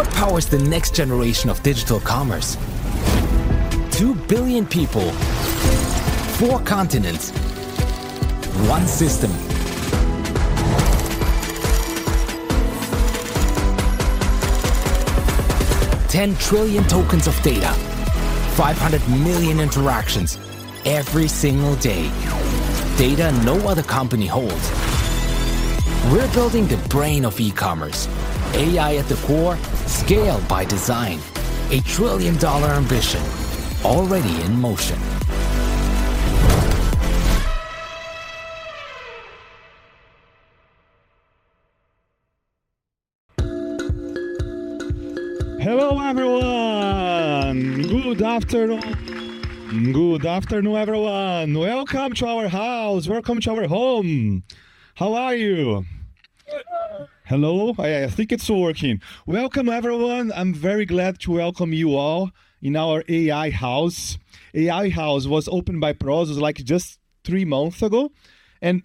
What powers the next generation of digital commerce? Two billion people, four continents, one system. 10 trillion tokens of data, 500 million interactions every single day. Data no other company holds. We're building the brain of e-commerce, AI at the core, scaled by design. A trillion-dollar ambition already in motion. Hello, everyone. Good afternoon. Good afternoon, everyone. Welcome to our house. Welcome to our home. How are you? Good. Hello. I think it's working. Welcome, everyone. I'm very glad to welcome you all in our AI house. AI house was opened by Prosus like just three months ago, and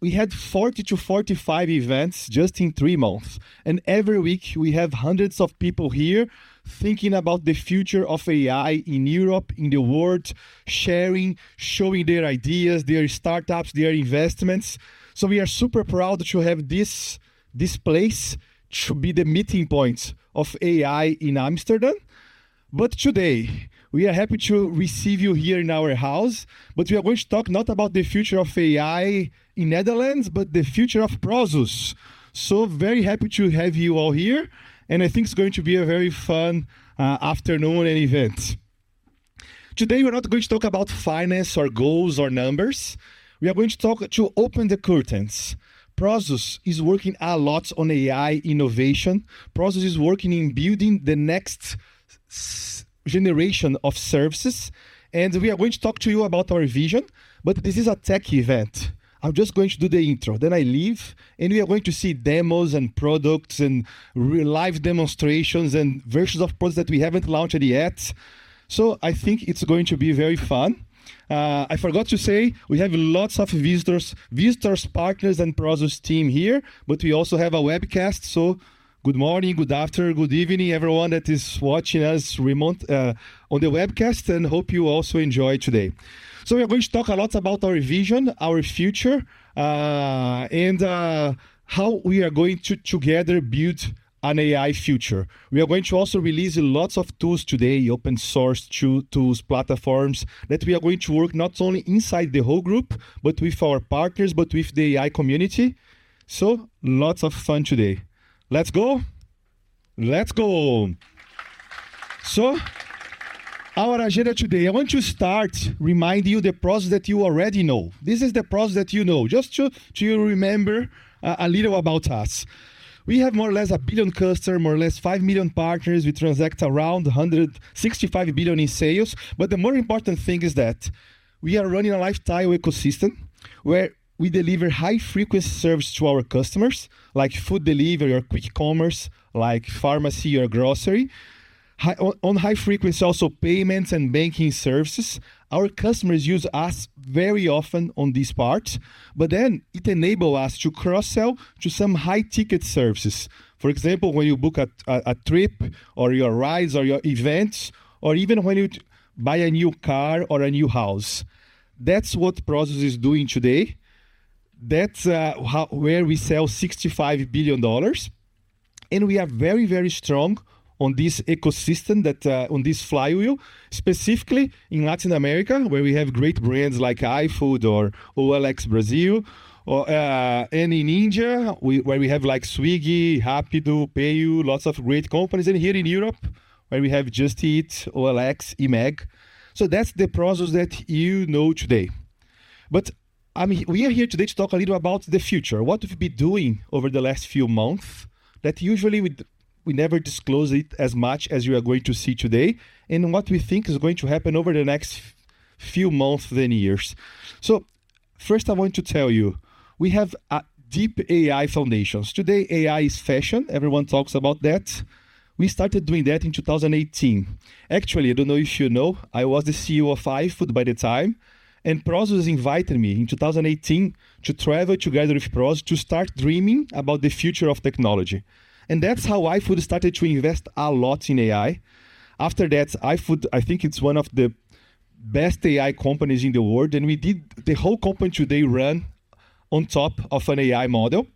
we had 40-45 events just in three months. Every week we have hundreds of people here thinking about the future of AI in Europe, in the world, sharing, showing their ideas, their startups, their investments. We are super proud to have this place to be the meeting point of AI in Amsterdam. Today we are happy to receive you here in our house, but we are going to talk not about the future of AI in Netherlands, but the future of Prosus. Very happy to have you all here, and I think it's going to be a very fun afternoon and event. Today we're not going to talk about finance or goals or numbers. We are going to talk to open the curtains. Prosus is working a lot on AI innovation. Prosus is working in building the next generation of services, and we are going to talk to you about our vision. This is a tech event. I'm just going to do the intro, then I leave, and we are going to see demos and products and live demonstrations and versions of products that we haven't launched yet. I think it's going to be very fun. I forgot to say, we have lots of visitors, partners and Prosus team here, but we also have a webcast, so good morning, good afternoon, good evening, everyone that is watching us remote, on the webcast, and hope you also enjoy today. We are going to talk a lot about our vision, our future, and how we are going to together build an AI future. We are going to also release lots of tools today, open source tools, platforms, that we are going to work not only inside the whole group, but with our partners, but with the AI community. Lots of fun today. Let's go. Let's go. Our agenda today, I want to start remind you the Prosus that you already know. This is the Prosus that you know. Just to remember a little about us. We have more or less one billion customers, more or less five million partners. We transact around $165 billion in sales. The more important thing is that we are running a lifetime ecosystem where we deliver high frequency service to our customers, like food delivery or quick commerce, like pharmacy or grocery. High frequency also payments and banking services. Our customers use us very often on these parts, but then it enable us to cross-sell to some high ticket services. For example, when you book a trip or your rides or your events, or even when you buy a new car or a new house. That's what Prosus is doing today. That's how we sell $65 billion, and we are very, very strong on this ecosystem that on this flywheel, specifically in Latin America, where we have great brands like iFood or OLX Brazil, or and in India, where we have like Swiggy, Rapido, PayU, lots of great companies. Here in Europe, where we have Just Eat, OLX, eMAG. That's the Prosus that you know today. I mean, we are here today to talk a little about the future. What we've been doing over the last few months that usually we never disclose it as much as you are going to see today, and what we think is going to happen over the next few months, then years. First I want to tell you, we have deep AI foundations. Today, AI is fashion. Everyone talks about that. We started doing that in 2018. Actually, I don't know if you know, I was the CEO of iFood by the time, and Prosus invited me in 2018 to travel together with Prosus to start dreaming about the future of technology. That's how iFood started to invest a lot in AI. After that, iFood, I think it's one of the best AI companies in the world, the whole company today run on top of an AI model.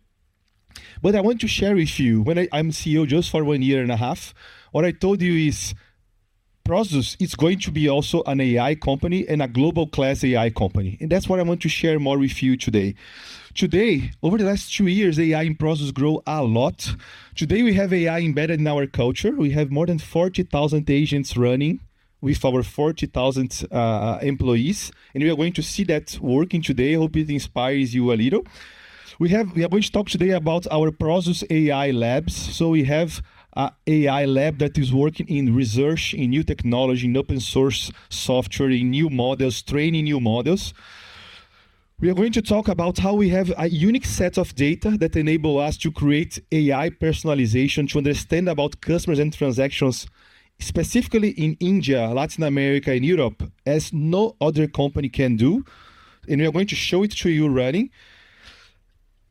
What I want to share with you, when I’m CEO just for one year and a half, what I told you is Prosus is going to be also an AI company and a global class AI company, and that's what I want to share more with you today. Today, over the last two years, AI in Prosus grow a lot. Today we have AI embedded in our culture. We have more than 40,000 agents running with our 40,000 employees, and we are going to see that working today. Hope it inspires you a little. We are going to talk today about our Prosus AI Labs. We have an AI lab that is working in research, in new technology, in open source software, in new models, training new models. We are going to talk about how we have a unique set of data that enable us to create AI personalization to understand about customers and transactions, specifically in India, Latin America and Europe, as no other company can do, and we are going to show it to you running.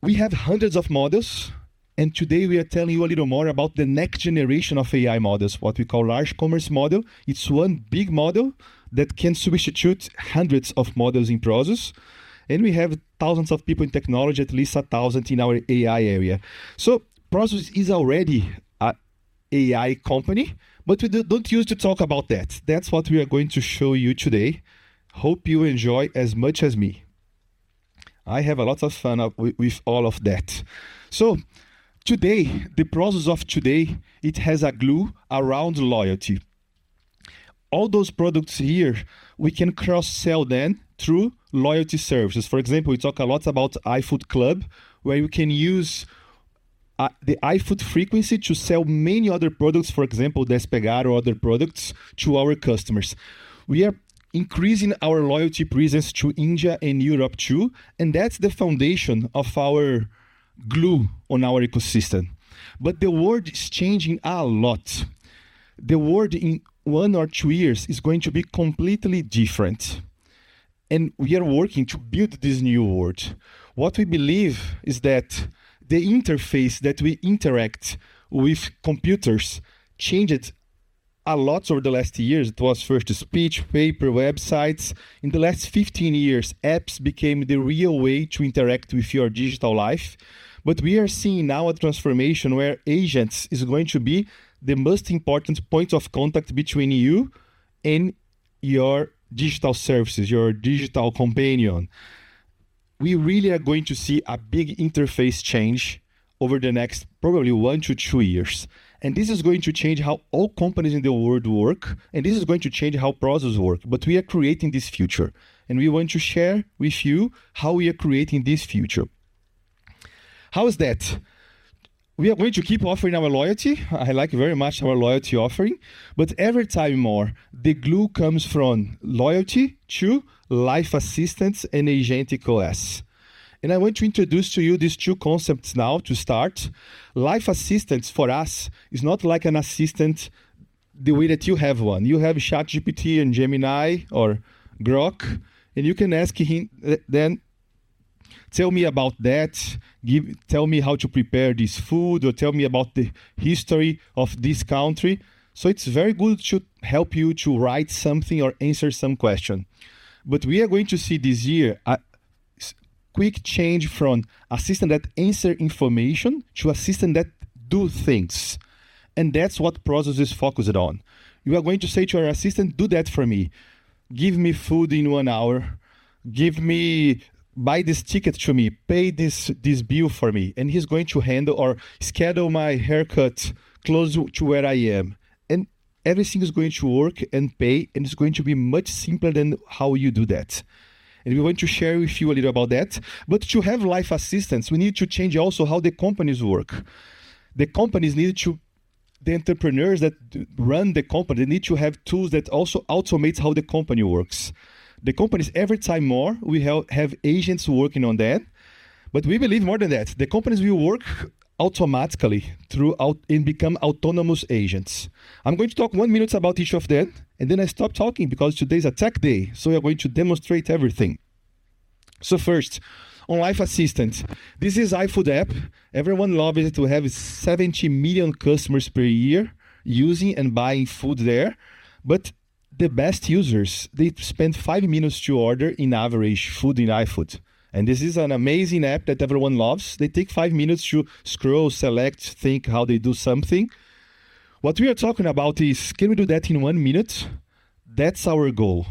We have hundreds of models, and today we are telling you a little more about the next generation of AI models, what we call Large Commerce Model. It's one big model that can substitute hundreds of models in Prosus, and we have thousands of people in technology, at least a thousand in our AI area. Prosus is already an AI company, but we don't use to talk about that. That's what we are going to show you today. Hope you enjoy as much as me. I have a lot of fun with all of that. Today, the Prosus of today, it has a glue around loyalty. All those products here, we can cross-sell them through loyalty services. For example, we talk a lot about Clube iFood, where we can use the iFood frequency to sell many other products, for example, Despegar or other products, to our customers. We are increasing our loyalty presence to India and Europe too, and that's the foundation of our glue on our ecosystem. The world is changing a lot. The world in one or two years is going to be completely different, and we are working to build this new world. What we believe is that the interface that we interact with computers changed a lot over the last years. It was first speech, paper, websites. In the last 15 years, apps became the real way to interact with your digital life. We are seeing now a transformation where agents is going to be the most important point of contact between you and your digital services, your digital companion. We really are going to see a big interface change over the next probably one to two years. This is going to change how all companies in the world work, and this is going to change how Prosus work. We are creating this future, and we want to share with you how we are creating this future. How is that? We are going to keep offering our loyalty. I like very much our loyalty offering, but every time more, the glue comes from loyalty to life assistance and agentic OS. I want to introduce to you these two concepts now to start. Life assistance for us is not like an assistant the way that you have one. You have ChatGPT and Gemini or Grok, and you can ask him, them, "Tell me about that. Tell me how to prepare this food," or, "Tell me about the history of this country." So it's very good to help you to write something or answer some question. But we are going to see this year a quick change from assistant that answer information to assistant that do things. That's what Prosus is focused on. You are going to say to your assistant, "Do that for me. Give me food in one hour. Buy this ticket to me. Pay this bill for me," and he's going to handle. "Schedule my haircut close to where I am." Everything is going to work and pay, and it's going to be much simpler than how you do that. We want to share with you a little about that. To have life assistance, we need to change also how the companies work. The entrepreneurs that run the company, they need to have tools that also automates how the company works. The companies every time more, we have agents working on that. We believe more than that. The companies will work automatically throughout and become autonomous agents. I'm going to talk one minute about each of them, and then I stop talking because today's a tech day, so we are going to demonstrate everything. First, on life assistant. This is iFood app. Everyone loves it. We have 70 million customers per year using and buying food there. The best users, they spend five minutes to order in average food in iFood. This is an amazing app that everyone loves. They take five minutes to scroll, select, think how they do something. What we are talking about is, can we do that in 1 minute? That's our goal.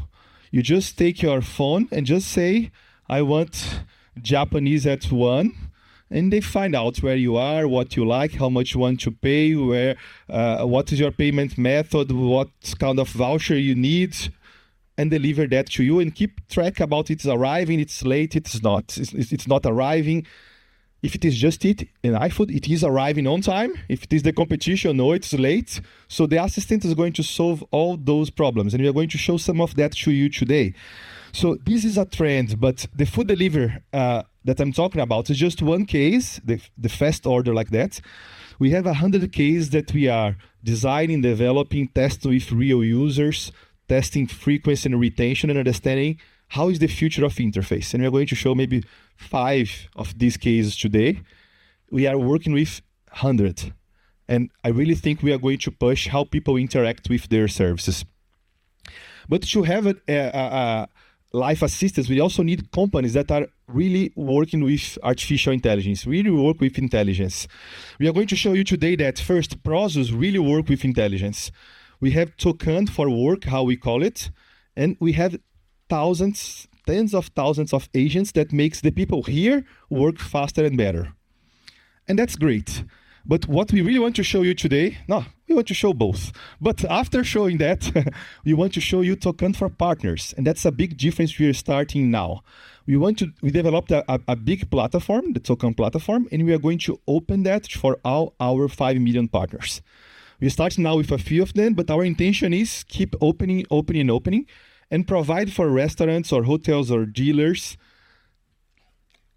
You just take your phone and just say, "I want Japanese at 1," and they find out where you are, what you like, how much you want to pay, where, what is your payment method, what kind of voucher you need, and deliver that to you and keep track about it's arriving, it's late, it's not arriving. If it is Just Eat and iFood, it is arriving on time. If it is the competition, no, it's late. The assistant is going to solve all those problems, and we are going to show some of that to you today. This is a trend, but the food delivery that I'm talking about is just one case, the fast order like that. We have 100 case that we are designing, developing, test with real users, testing frequency and retention, and understanding how is the future of interface, and we are going to show maybe five of these cases today. We are working with 100, and I really think we are going to push how people interact with their services. To have a AI assistance, we also need companies that are really working with Artificial Intelligence, really work with intelligence. We are going to show you today that first process really work with intelligence. We have Toqan for Work, how we call it, and we have thousands, tens of thousands of agents that makes the people here work faster and better. That's great. What we really want to show you today. We want to show both. After showing that, we want to show you Toqan for Partners, and that's a big difference we are starting now. We developed a big platform, the Toqan platform, and we are going to open that for all our five million partners. We start now with a few of them, but our intention is keep opening, and opening, and provide for restaurants or hotels or dealers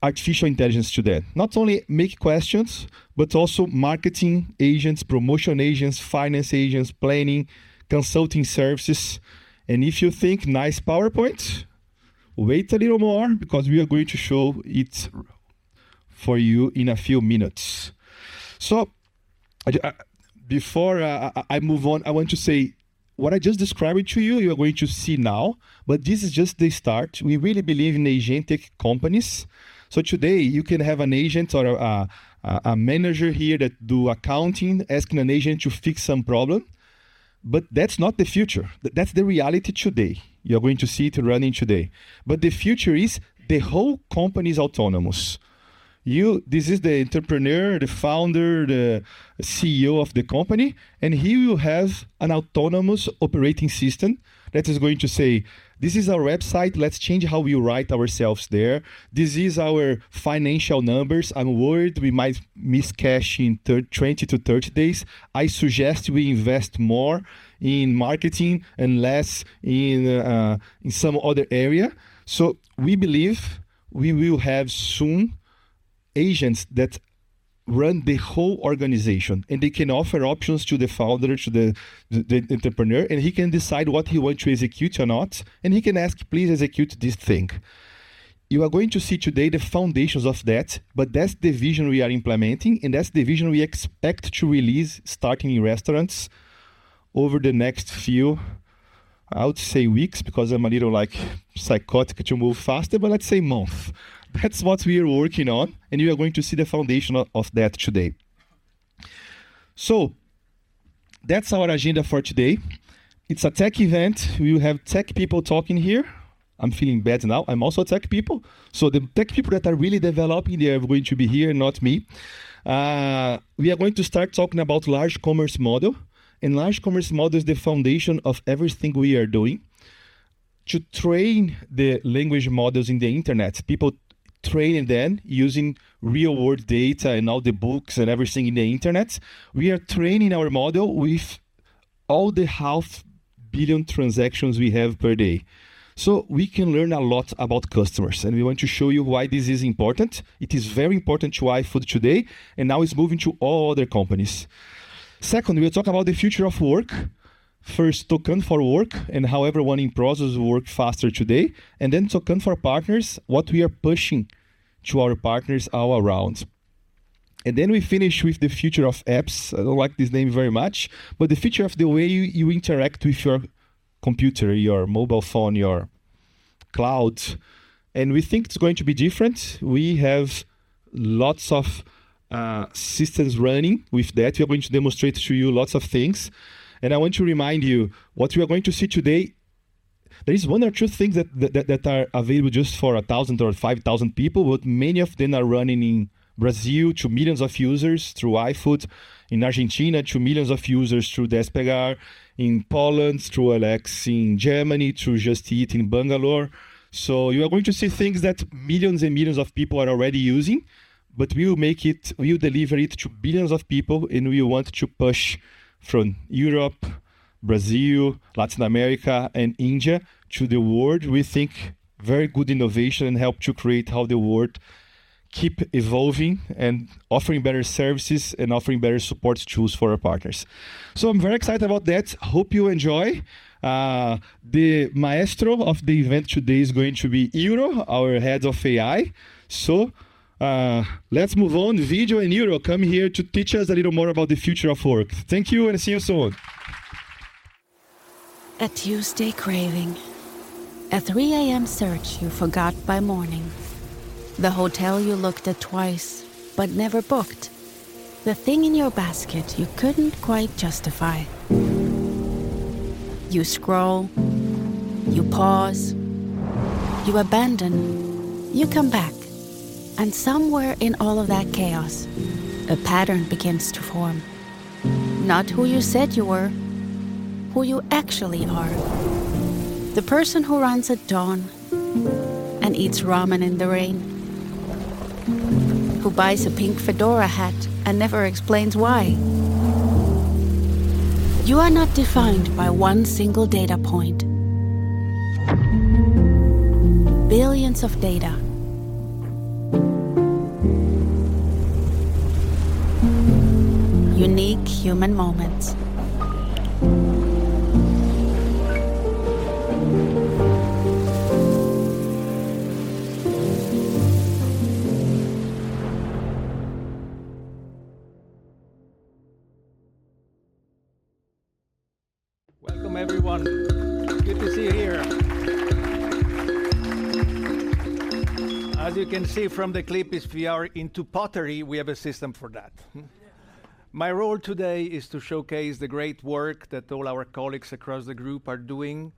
Artificial Intelligence to them. Not only make questions, but also marketing agents, promotion agents, finance agents, planning, consulting services. If you think nice PowerPoint, wait a little more because we are going to show it for you in a few minutes. Before I move on, I want to say, what I just described to you are going to see now, but this is just the start. We really believe in agentic companies. Today, you can have an agent or a manager here that do accounting, asking an agent to fix some problem, but that's not the future. That's the reality today. You're going to see it running today. The future is the whole company's autonomous. This is the entrepreneur, the founder, the CEO of the company, and he will have an autonomous operating system that is going to say, "This is our website. Let's change how we write ourselves there. This is our financial numbers. I'm worried we might miss cash in 20-30 days. I suggest we invest more in marketing and less in some other area." We believe we will have soon agents that run the whole organization, and they can offer options to the founder, to the entrepreneur, and he can decide what he want to execute or not, and he can ask, "Please execute this thing." You are going to see today the foundations of that, but that's the vision we are implementing, and that's the vision we expect to release starting in restaurants over the next few, I would say weeks, because I'm a little, like, psychotic to move faster, but let's say month. That's what we are working on, and you are going to see the foundation of that today. That's our agenda for today. It's a tech event. We will have tech people talking here. I'm feeling bad now. I'm also tech people. The tech people that are really developing, they are going to be here, not me. We are going to start talking about Large Commerce Model, and Large Commerce Model is the foundation of everything we are doing. To train the language models on the internet, people train them using real-world data and all the books and everything on the internet. We are training our model with all the 500 million transactions we have per day. We can learn a lot about customers, and we want to show you why this is important. It is very important to iFood today, and now it's moving to all other companies. Second, we'll talk about the future of work. First, Toqan for Work and how everyone in Prosus works faster today. Toqan for Partners, what we are pushing to our partners all around. Then we finish with the future of apps. I don't like this name very much, but the future of the way you interact with your computer, your mobile phone, your cloud, and we think it's going to be different. We have lots of systems running. With that, we are going to demonstrate to you lots of things. I want to remind you, what you are going to see today, there is one or two things that are available just for 1,000 or 5,000 people, but many of them are running in Brazil to millions of users through iFood, in Argentina to millions of users through Despegar, in Poland through OLX, in Germany through Just Eat, in Bangalore. You are going to see things that millions and millions of people are already using, but we will make it, we will deliver it to billions of people, and we want to push from Europe, Brazil, Latin America and India to the world. We think very good innovation and help to create how the world keep evolving and offering better services and offering better support tools for our partners. I'm very excited about that. Hope you enjoy. The maestro of the event today is going to be Euro, our Head of AI. Let's move on. Video and Euro coming here to teach us a little more about the future of work. Thank you, and see you soon. A Tuesday craving. A 3:00 A.M. search you forgot by morning. The hotel you looked at twice but never booked. The thing in your basket you couldn't quite justify. You scroll, you pause, you abandon, you come back, and somewhere in all of that chaos, a pattern begins to form. Not who you said you were, who you actually are. The person who runs at dawn and eats ramen in the rain. Who buys a pink fedora hat and never explains why. You are not defined by one single data point. Billions of data. Unique human moments. Welcome, everyone. Good to see you here. As you can see from the clip, if we are into pottery, we have a system for that. My role today is to showcase the great work that all our colleagues across the group are doing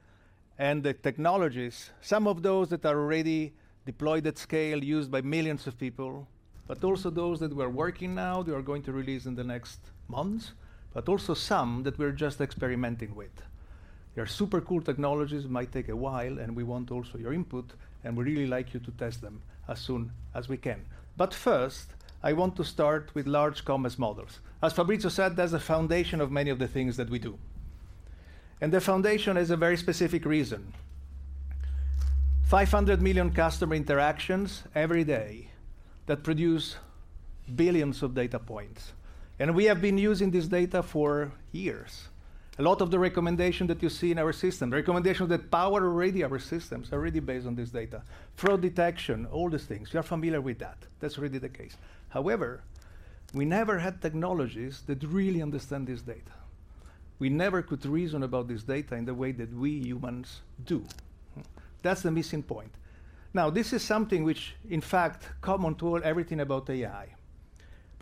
and the technologies, some of those that are already deployed at scale, used by millions of people, but also those that we're working now, we are going to release in the next months, but also some that we're just experimenting with. They're super cool technologies, might take a while, and we want also your input, and we'd really like you to test them as soon as we can. First, I want to start with Large Commerce Models. As Fabrício said, that's a foundation of many of the things that we do. The foundation is a very specific reason. 500 million customer interactions every day that produce Billions of data points. We have been using this data for years. A lot of the recommendation that you see in our system, recommendations that power already our systems are really based on this data. Fraud detection, all these things, you are familiar with that. That's really the case. However, we never had technologies that really understand this data. We never could reason about this data in the way that we humans do. That's the missing point. Now, this is something which, in fact, come on to everything about AI.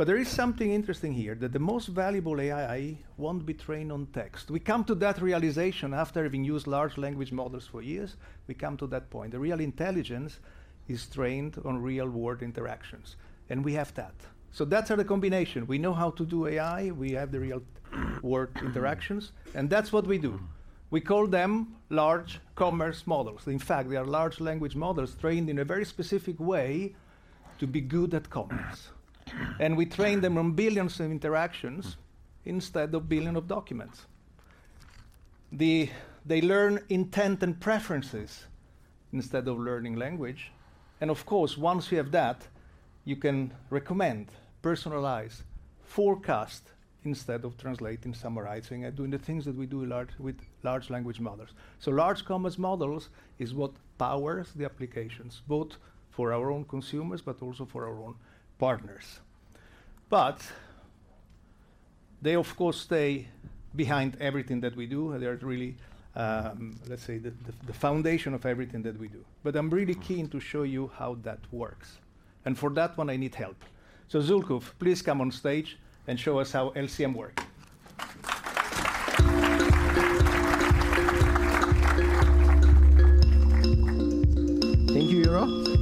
There is something interesting here, that the most valuable AI won't be trained on text. We come to that realization after having used large language models for years, we come to that point. The real intelligence is trained on real-world interactions, and we have that. That's our combination. We know how to do AI, we have the real world interactions, and that's what we do. We call them Large Commerce Models. In fact, they are large language models trained in a very specific way to be good at commerce. We train them on billions of interactions instead of billion of documents. They learn intent and preferences instead of learning language. Of course, once you have that, you can recommend, personalize, forecast instead of translating, summarizing, and doing the things that we do with large language models. Large Commerce Models is what powers the applications, both for our own consumers, but also for our own partners. They of course stay behind everything that we do. They are really, let's say the foundation of everything that we do. I'm really keen to show you how that works. For that one, I need help. Zülküf, please come on stage and show us how LCM work. Thank you, Yaro.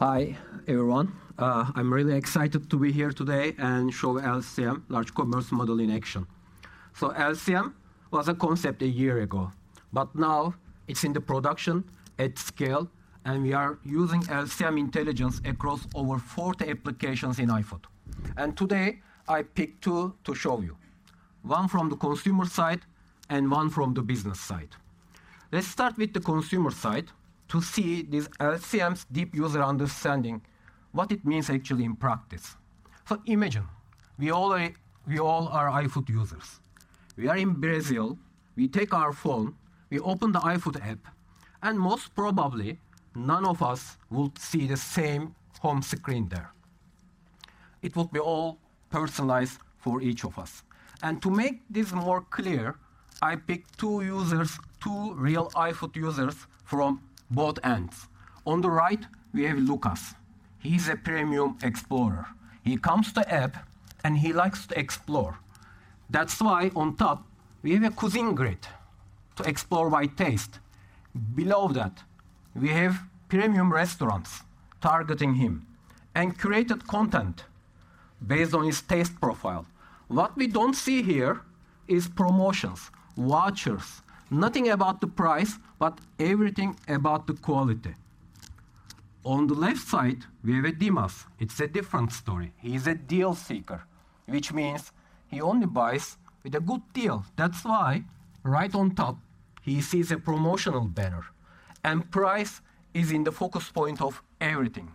Hi, everyone. I'm really excited to be here today and show LCM, Large Commerce Model, in action. LCM was a concept a year ago, but now it's in the production at scale, and we are using LCM intelligence across over 40 applications in iFood. Today, I picked two to show you, one from the consumer side and one from the business side. Let's start with the consumer side to see this LCM's deep user understanding, what it means actually in practice. Imagine, we all are iFood users. We are in Brazil, we take our phone, we open the iFood app, and most probably none of us would see the same home screen there. It would be all personalized for each of us. To make this more clear, I picked two users, two real iFood users from both ends. On the right, we have Lucas. He's a premium explorer. He comes to app, and he likes to explore. That's why on top, we have a cuisine grid to explore by taste. Below that, we have premium restaurants targeting him and curated content based on his taste profile. What we don't see here is promotions, vouchers, nothing about the price, but everything about the quality. On the left side, we have Dimas. It's a different story. He's a deal seeker, which means he only buys with a good deal. That's why right on top, he sees a promotional banner, and price is in the focus point of everything.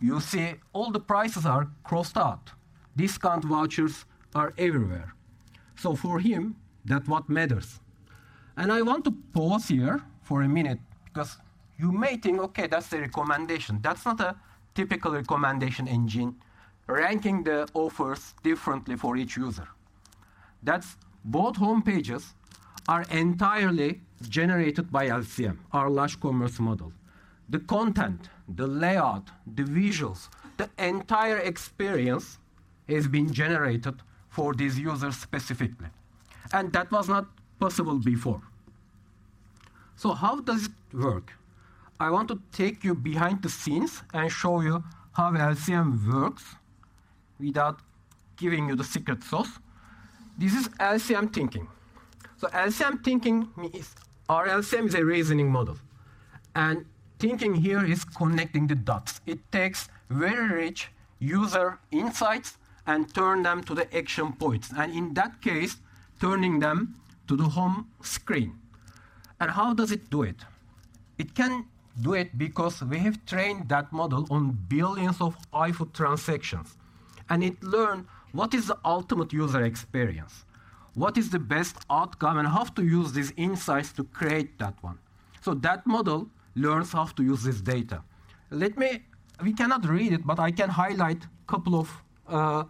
You see all the prices are crossed out. Discount vouchers are everywhere. For him, that's what matters. I want to pause here for a minute because you may think, "Okay, that's a recommendation." That's not a typical recommendation engine ranking the offers differently for each user. That's both homepages are entirely generated by LCM, our Large Commerce Model. The content, the layout, the visuals, the entire experience has been generated for these users specifically, and that was not possible before. How does it work? I want to take you behind the scenes and show you how LCM works without giving you the secret sauce. This is LCM thinking. LCM thinking is our LCM is a reasoning model, and thinking here is connecting the dots. It takes very rich user insights and turn them to the action points, and in that case, turning them to the home screen. How does it do it? It can do it because we have trained that model on billions of iFood transactions, and it learn what is the ultimate user experience, what is the best outcome, and how to use these insights to create that one. That model learns how to use this data. We cannot read it, but I can highlight a couple of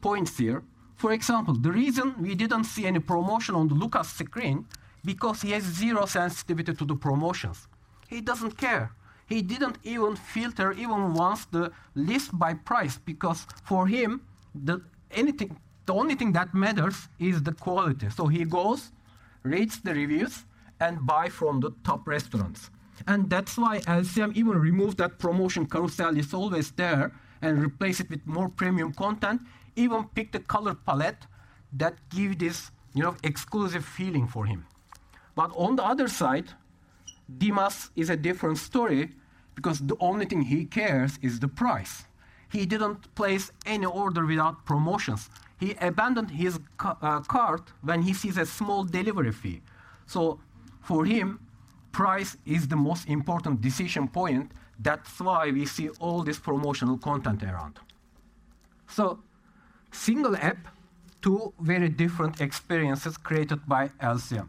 points here. For example, the reason we didn't see any promotion on the Lucas screen, because he has zero sensitivity to the promotions. He doesn't care. He didn't even filter once the list by price, because for him, the only thing that matters is the quality. He goes, rates the reviews, and buy from the top restaurants. That's why LCM even remove that promotion carousel that's always there and replace it with more premium content, even pick the color palette that give this, you know, exclusive feeling for him. On the other side, Dimas is a different story because the only thing he cares is the price. He didn't place any order without promotions. He abandoned his cart when he sees a small delivery fee. For him, price is the most important decision point. That's why we see all this promotional content around. Single app, two very different experiences created by LCM.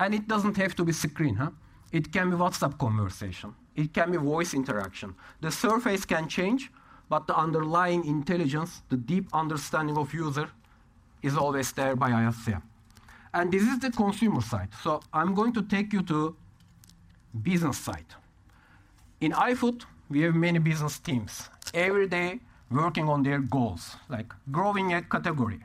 It doesn't have to be screen, huh? It can be WhatsApp conversation, it can be voice interaction. The surface can change, but the underlying intelligence, the deep understanding of user is always there by LCM. This is the consumer side. I'm going to take you to business side. In iFood, we have many business teams every day working on their goals, like growing a category,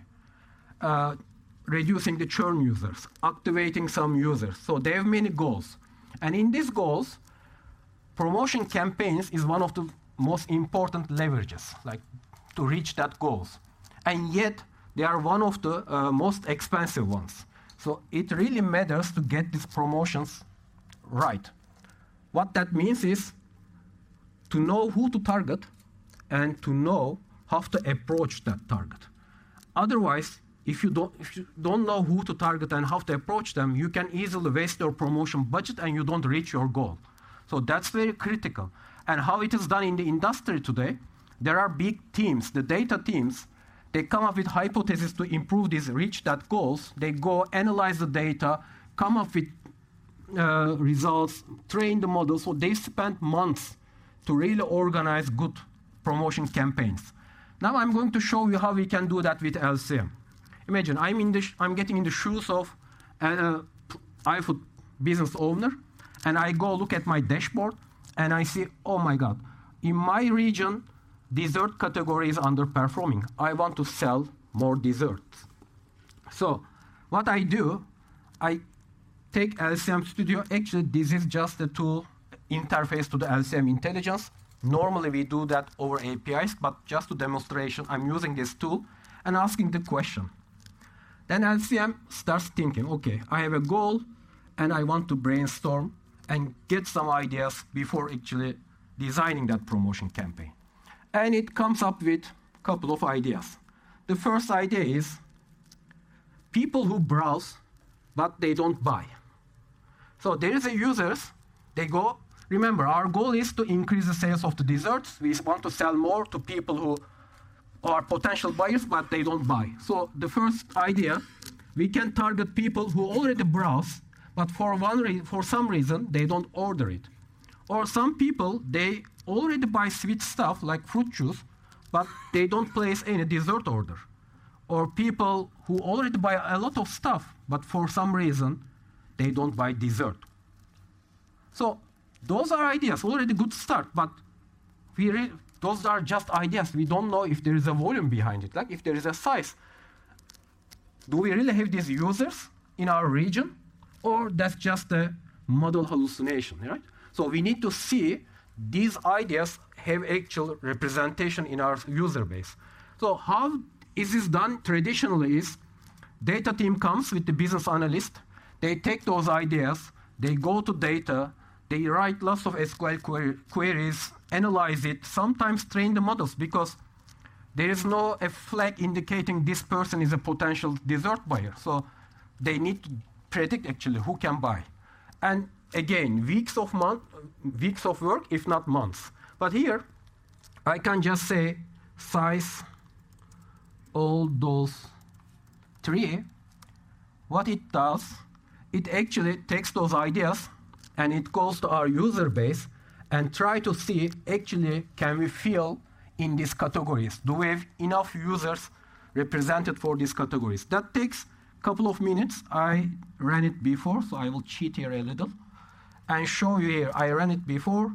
reducing the churn users, activating some users. They have many goals. In these goals, promotion campaigns is one of the most important leverages like to reach that goals, and yet they are one of the most expensive ones. It really matters to get these promotions right. What that means is to know who to target and to know how to approach that target. Otherwise, if you don't know who to target and how to approach them, you can easily waste your promotion budget and you don't reach your goal. That's very critical. How it is done in the industry today, there are big teams. The data teams, they come up with hypothesis to improve this, reach that goals. They go analyze the data, come up with results, train the models. They spend months to really organize good promotion campaigns. Now I'm going to show you how we can do that with LCM. Imagine I'm getting in the shoes of iFood business owner, and I go look at my dashboard and I see oh my god, in my region, dessert category is underperforming. I want to sell more desserts. What I do, I take LCM Studio. Actually, this is just a tool interface to the LCM intelligence. Normally we do that over APIs, but just for demonstration, I'm using this tool and asking the question. LCM starts thinking, "Okay, I have a goal and I want to brainstorm and get some ideas before actually designing that promotion campaign." It comes up with couple of ideas. The first idea is people who browse but they don't buy. There are users. Remember, our goal is to increase the sales of the desserts. We want to sell more to people who are potential buyers, but they don't buy. The first idea, we can target people who already browse, but for some reason, they don't order it. Some people, they already buy sweet stuff like fruit juice, but they don't place any dessert order. People who already buy a lot of stuff, but for some reason they don't buy dessert. Those are ideas. Already good start, but those are just ideas. We don't know if there is a volume behind it, like if there is a size. Do we really have these users in our region or that's just a model hallucination, right? We need to see these ideas have actual representation in our user base. How is this done traditionally is data team comes with the business analyst, they take those ideas, they go to data, they write lots of SQL queries, analyze it, sometimes train the models because there is no a flag indicating this person is a potential dessert buyer. They need to predict actually who can buy. Again, weeks of work, if not months. Here I can just say size all those three. What it does, it actually takes those ideas, and it goes to our user base and try to see actually can we fill in these categories. Do we have enough users represented for these categories? That takes couple of minutes. I ran it before, so I will cheat here a little and show you here. I ran it before,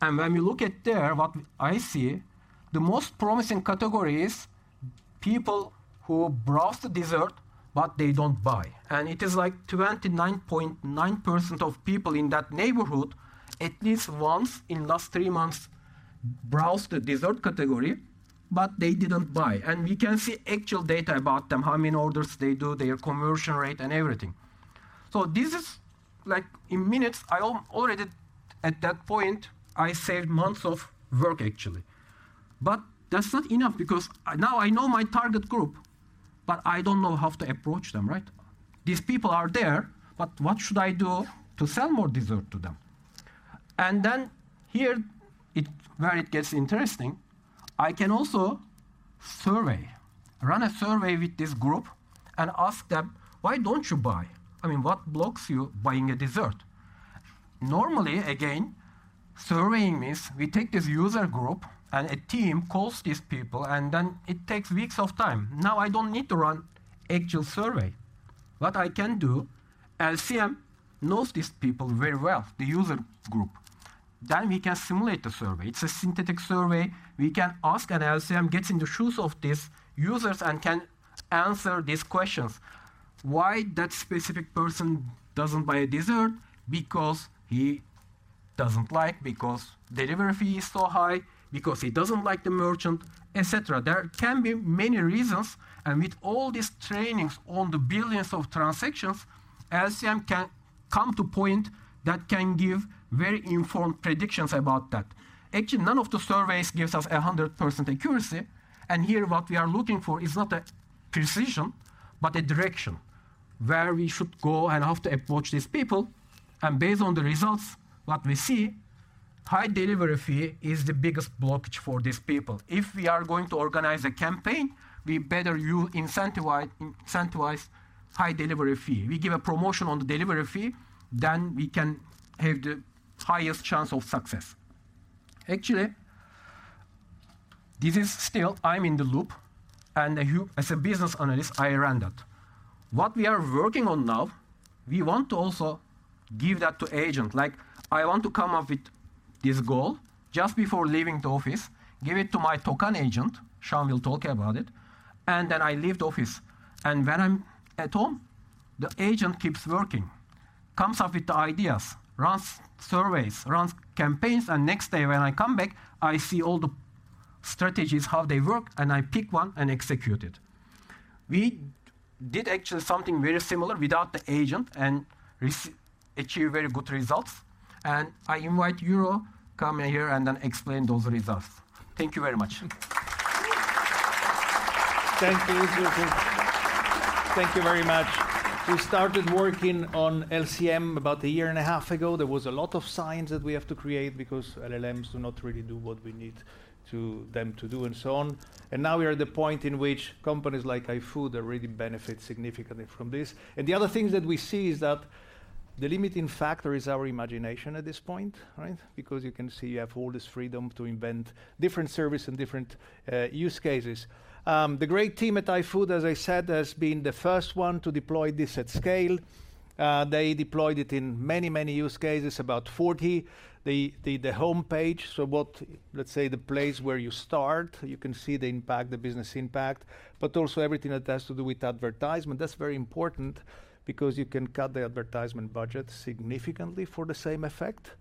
and when we look at there, what I see, the most promising category is people who browse the dessert but they don't buy. It is like 29.9% of people in that neighborhood, at least once in last three months browsed the dessert category, but they didn't buy. We can see actual data about them, how many orders they do, their conversion rate and everything. This is like in minutes, I already at that point, I saved months of work actually. That's not enough because now I know my target group, but I don't know how to approach them, right? These people are there, but what should I do to sell more dessert to them? Then here it, where it gets interesting, I can also survey. Run a survey with this group and ask them, "Why don't you buy? I mean, what blocks you buying a dessert? Normally, again, surveying means we take this user group and a team calls these people, and then it takes weeks of time. Now, I don't need to run actual survey. What I can do, LCM knows these people very well, the user group. Then we can simulate the survey. It's a synthetic survey. We can ask, and LCM gets in the shoes of these users and can answer these questions. Why that specific person doesn't buy a dessert? Because he doesn't like, because delivery fee is so high, because he doesn't like the merchant, et cetera. There can be many reasons. With all these trainings on the billions of transactions, LCM can come to point that can give very informed predictions about that. Actually, none of the surveys gives us 100% accuracy. Here, what we are looking for is not a precision, but a direction where we should go and how to approach these people. Based on the results, what we see, high delivery fee is the biggest blockage for these people. If we are going to organize a campaign, we better incentivize high delivery fee. We give a promotion on the delivery fee, then we can have the highest chance of success. Actually, this is still, I'm in the loop and as a business analyst, I run that. What we are working on now, we want to also give that to agent. Like, I want to come up with this goal just before leaving the office, give it to my Toqan agent, Sean will talk about it, and then I leave the office. When I'm at home, the agent keeps working, comes up with the ideas, runs surveys, runs campaigns, and next day when I come back, I see all the strategies, how they work, and I pick one and execute it. We did actually something very similar without the agent and achieve very good results. I invite Euro come in here and then explain those results. Thank you very much. Thank you. Thank you very much. We started working on LCM about a year and a half ago. There was a lot of science that we have to create because LLMs do not really do what we need them to do and so on. Now we are at the point in which companies like iFood already benefit significantly from this. The other things that we see is that the limiting factor is our imagination at this point, right? Because you can see you have all this freedom to invent different service and different use cases. The great team at iFood, as I said, has been the first one to deploy this at scale. They deployed it in many, many use cases, about 40. The homepage, so let's say the place where you start, you can see the impact, the business impact. Also everything that has to do with advertisement. That's very important because you can cut the advertisement budget significantly for the same effect.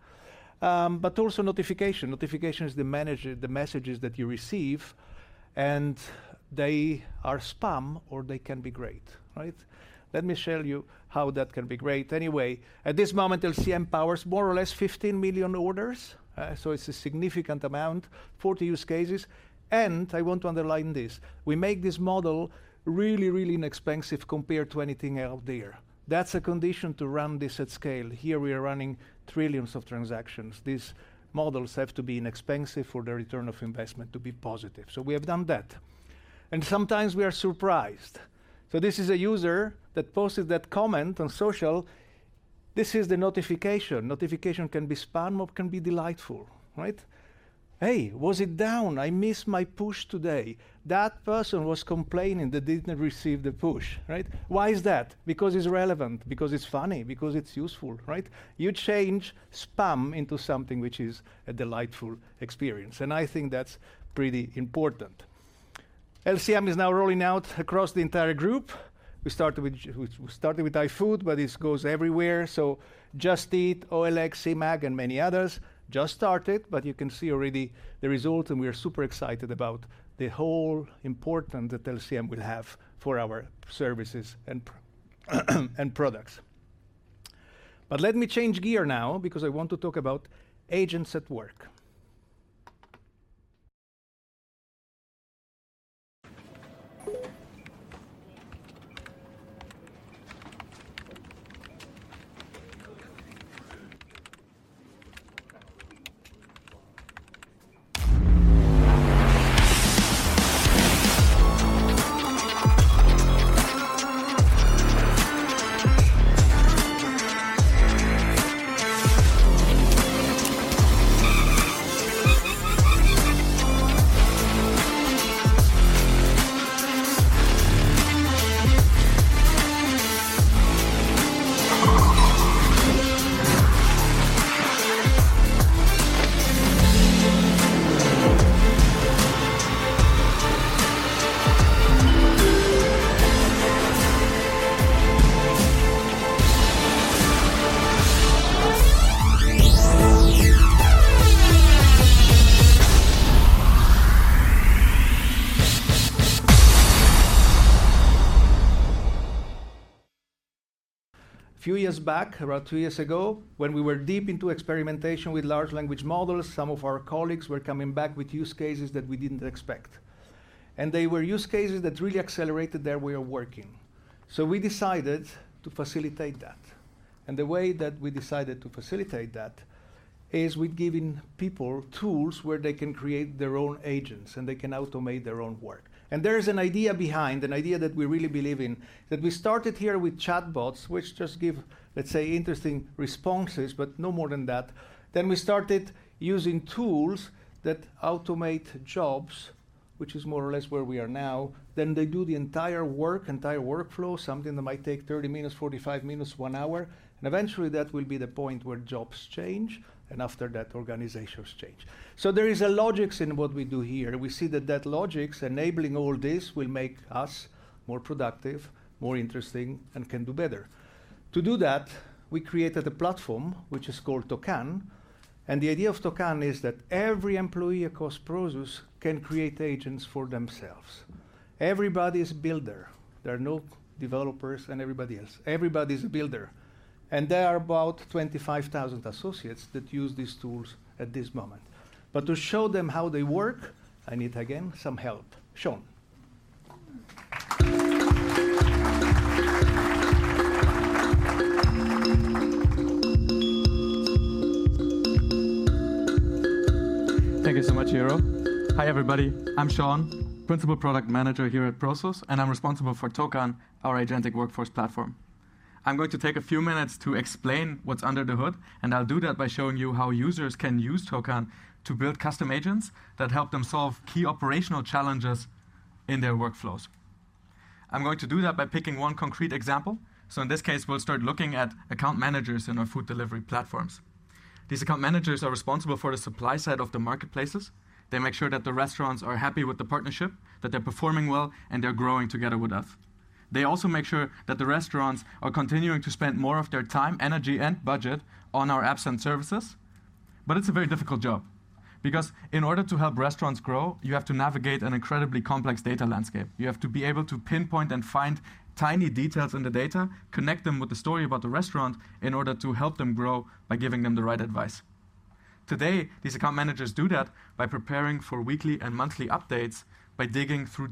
Also notification. Notification is the messages that you receive, and they are spam or they can be great, right? Let me show you how that can be great. Anyway, at this moment, LCM powers more or less 15 million orders, so it's a significant amount, 40 use cases. I want to underline this. We make this model really, really inexpensive compared to anything out there. That's a condition to run this at scale. Here we are running trillions of transactions. These models have to be inexpensive for the return on investment to be positive. We have done that. Sometimes we are surprised. This is a user that posted that comment on social. This is the notification. Notification can be spam or can be delightful, right? "Hey, was it down? I missed my push today." That person was complaining they didn't receive the push, right? Why is that? Because it's relevant, because it's funny, because it's useful, right? You change spam into something which is a delightful experience, and I think that's pretty important. LCM is now rolling out across the entire group. We started with iFood, but this goes everywhere. Just Eat, OLX, eMAG, and many others just started, but you can see already the results and we are super excited about the whole importance that LCM will have for our services and products. Let me change gear now because I want to talk about agents at work. A few years back, around two years ago, when we were deep into experimentation with large language models, some of our colleagues were coming back with use cases that we didn't expect. They were use cases that really accelerated their way of working. We decided to facilitate that. The way that we decided to facilitate that is with giving people tools where they can create their own agents and they can automate their own work. There is an idea behind, an idea that we really believe in, that we started here with chatbots, which just give, let's say, interesting responses, but no more than that. We started using tools that automate jobs, which is more or less where we are now. They do the entire work, entire workflow, something that might take 30 minutes, 45 minutes, one hour. Eventually that will be the point where jobs change, and after that, organizations change. There is a logic in what we do here. We see that that logic enabling all this will make us more productive, more interesting, and can do better. To do that, we created a platform which is called Toqan. The idea of Toqan is that every employee across Prosus can create agents for themselves. Everybody's a builder. There are no developers and everybody else. Everybody's a builder. There are about 25,000 associates that use these tools at this moment. To show them how they work, I need, again, some help. Sean. Thank you so much, Euro. Hi, everybody. I'm Sean, Principal Product Manager here at Prosus, and I'm responsible for Toqan, our agentic workforce platform. I'm going to take a few minutes to explain what's under the hood, and I'll do that by showing you how users can use Toqan to build custom agents that help them solve key operational challenges in their workflows. I'm going to do that by picking one concrete example. In this case, we'll start looking at account managers in our food delivery platforms. These account managers are responsible for the supply side of the marketplaces. They make sure that the restaurants are happy with the partnership, that they're performing well, and they're growing together with us. They also make sure that the restaurants are continuing to spend more of their time, energy, and budget on our apps and services. It's a very difficult job, because in order to help restaurants grow, you have to navigate an incredibly complex data landscape. You have to be able to pinpoint and find tiny details in the data, connect them with the story about the restaurant in order to help them grow by giving them the right advice. Today, these account managers do that by preparing for weekly and monthly updates by digging through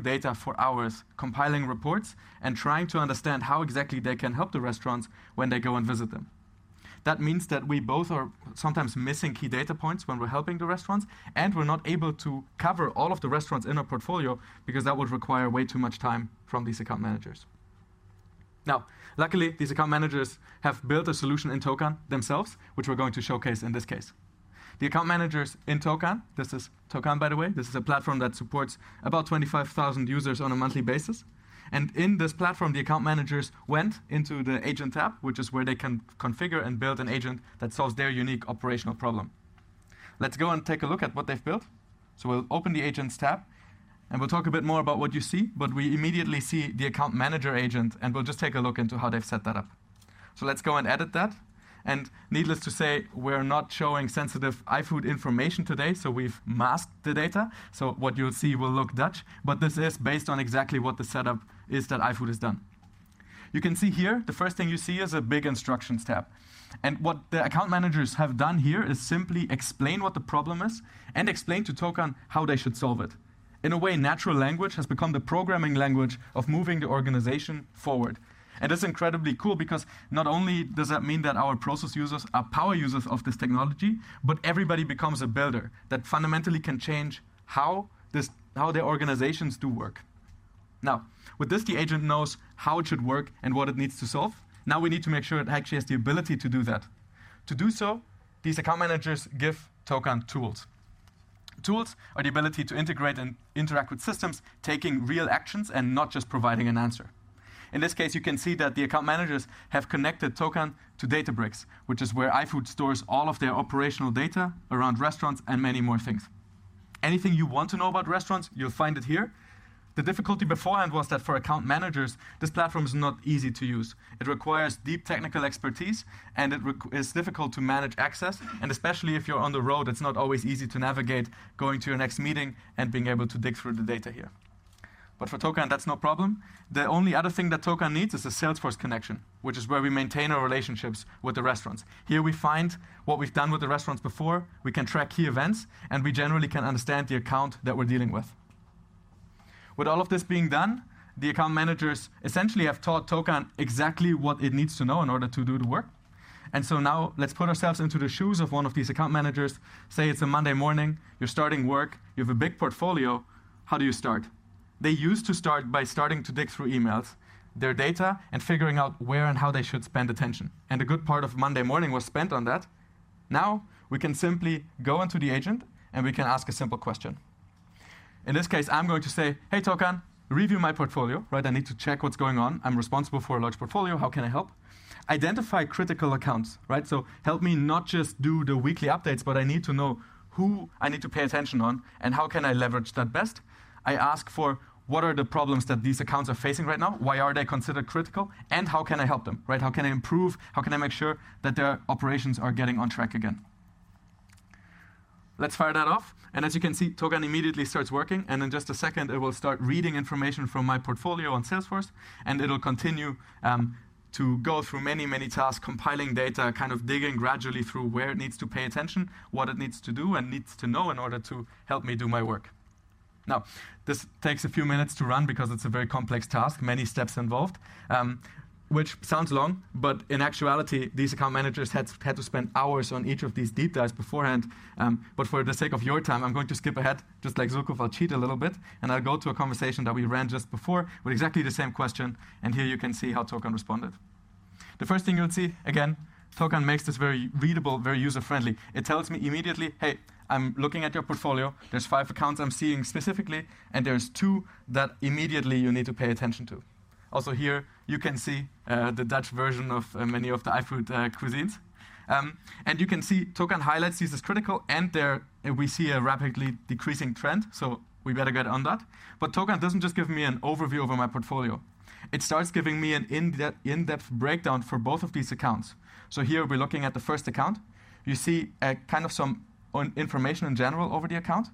data for hours, compiling reports and trying to understand how exactly they can help the restaurants when they go and visit them. That means that we both are sometimes missing key data points when we're helping the restaurants, and we're not able to cover all of the restaurants in our portfolio because that would require way too much time from these account managers. Now, luckily, these account managers have built a solution in Toqan themselves, which we're going to showcase in this case. The account managers in Toqan. This is Toqan, by the way. This is a platform that supports about 25,000 users on a monthly basis. In this platform, the account managers went into the Agent tab, which is where they can configure and build an agent that solves their unique operational problem. Let's go and take a look at what they've built. We'll open the Agents tab, and we'll talk a bit more about what you see. We immediately see the account manager agent, and we'll just take a look into how they've set that up. Let's go and edit that. Needless to say, we're not showing sensitive iFood information today, so we've masked the data. What you'll see will look Dutch, but this is based on exactly what the setup is that iFood has done. You can see here, the first thing you see is a big Instructions tab. What the account managers have done here is simply explain what the problem is and explain to Toqan how they should solve it. In a way, natural language has become the programming language of moving the organization forward. It's incredibly cool because not only does that mean that our Prosus users are power users of this technology, but everybody becomes a builder that fundamentally can change how their organizations do work. With this, the agent knows how it should work and what it needs to solve. We need to make sure it actually has the ability to do that. To do so, these account managers give Toqan tools. Tools are the ability to integrate and interact with systems, taking real actions and not just providing an answer. In this case, you can see that the account managers have connected Toqan to Databricks, which is where iFood stores all of their operational data around restaurants and many more things. Anything you want to know about restaurants, you'll find it here. The difficulty beforehand was that for account managers, this platform is not easy to use. It requires deep technical expertise, and it's difficult to manage access, and especially if you're on the road, it's not always easy to navigate going to your next meeting and being able to dig through the data here. For Toqan, that's no problem. The only other thing that Toqan needs is a Salesforce connection, which is where we maintain our relationships with the restaurants. Here we find what we've done with the restaurants before. We can track key events, and we generally can understand the account that we're dealing with. With all of this being done, the account managers essentially have taught Toqan exactly what it needs to know in order to do the work. Now let's put ourselves into the shoes of one of these account managers. Say it's a Monday morning, you're starting work, you have a big portfolio. How do you start? They used to start by digging through emails, their data, and figuring out where and how they should spend attention. A good part of Monday morning was spent on that. Now, we can simply go into the agent, and we can ask a simple question. In this case, I'm going to say, "Hey, Toqan, review my portfolio." Right? I need to check what's going on. I'm responsible for a large portfolio. How can I help? Identify critical accounts, right? Help me not just do the weekly updates, but I need to know who I need to pay attention on and how can I leverage that best. I ask for what are the problems that these accounts are facing right now, why are they considered critical, and how can I help them, right? How can I improve? How can I make sure that their operations are getting on track again? Let's fire that off. As you can see, Toqan immediately starts working, and in just a second, it will start reading information from my portfolio on Salesforce, and it'll continue to go through many, many tasks, compiling data, kind of digging gradually through where it needs to pay attention, what it needs to do and needs to know in order to help me do my work. Now, this takes a few minutes to run because it's a very complex task, many steps involved, which sounds long, but in actuality, these account managers had to spend hours on each of these deep dives beforehand. But for the sake of your time, I'm going to skip ahead. Just like Zülküf, I'll cheat a little bit, and I'll go to a conversation that we ran just before with exactly the same question. Here you can see how Toqan responded. The first thing you'll see, again, Toqan makes this very readable, very user-friendly. It tells me immediately, "Hey, I'm looking at your portfolio. There's 5 accounts I'm seeing specifically, and there's two that immediately you need to pay attention to." Also here, you can see the Dutch version of many of the iFood cuisines. You can see Toqan highlights these as critical, and there we see a rapidly decreasing trend, so we better get on that. Toqan doesn't just give me an overview over my portfolio. It starts giving me an in-depth breakdown for both of these accounts. Here we're looking at the first account. You see kind of some information in general over the account,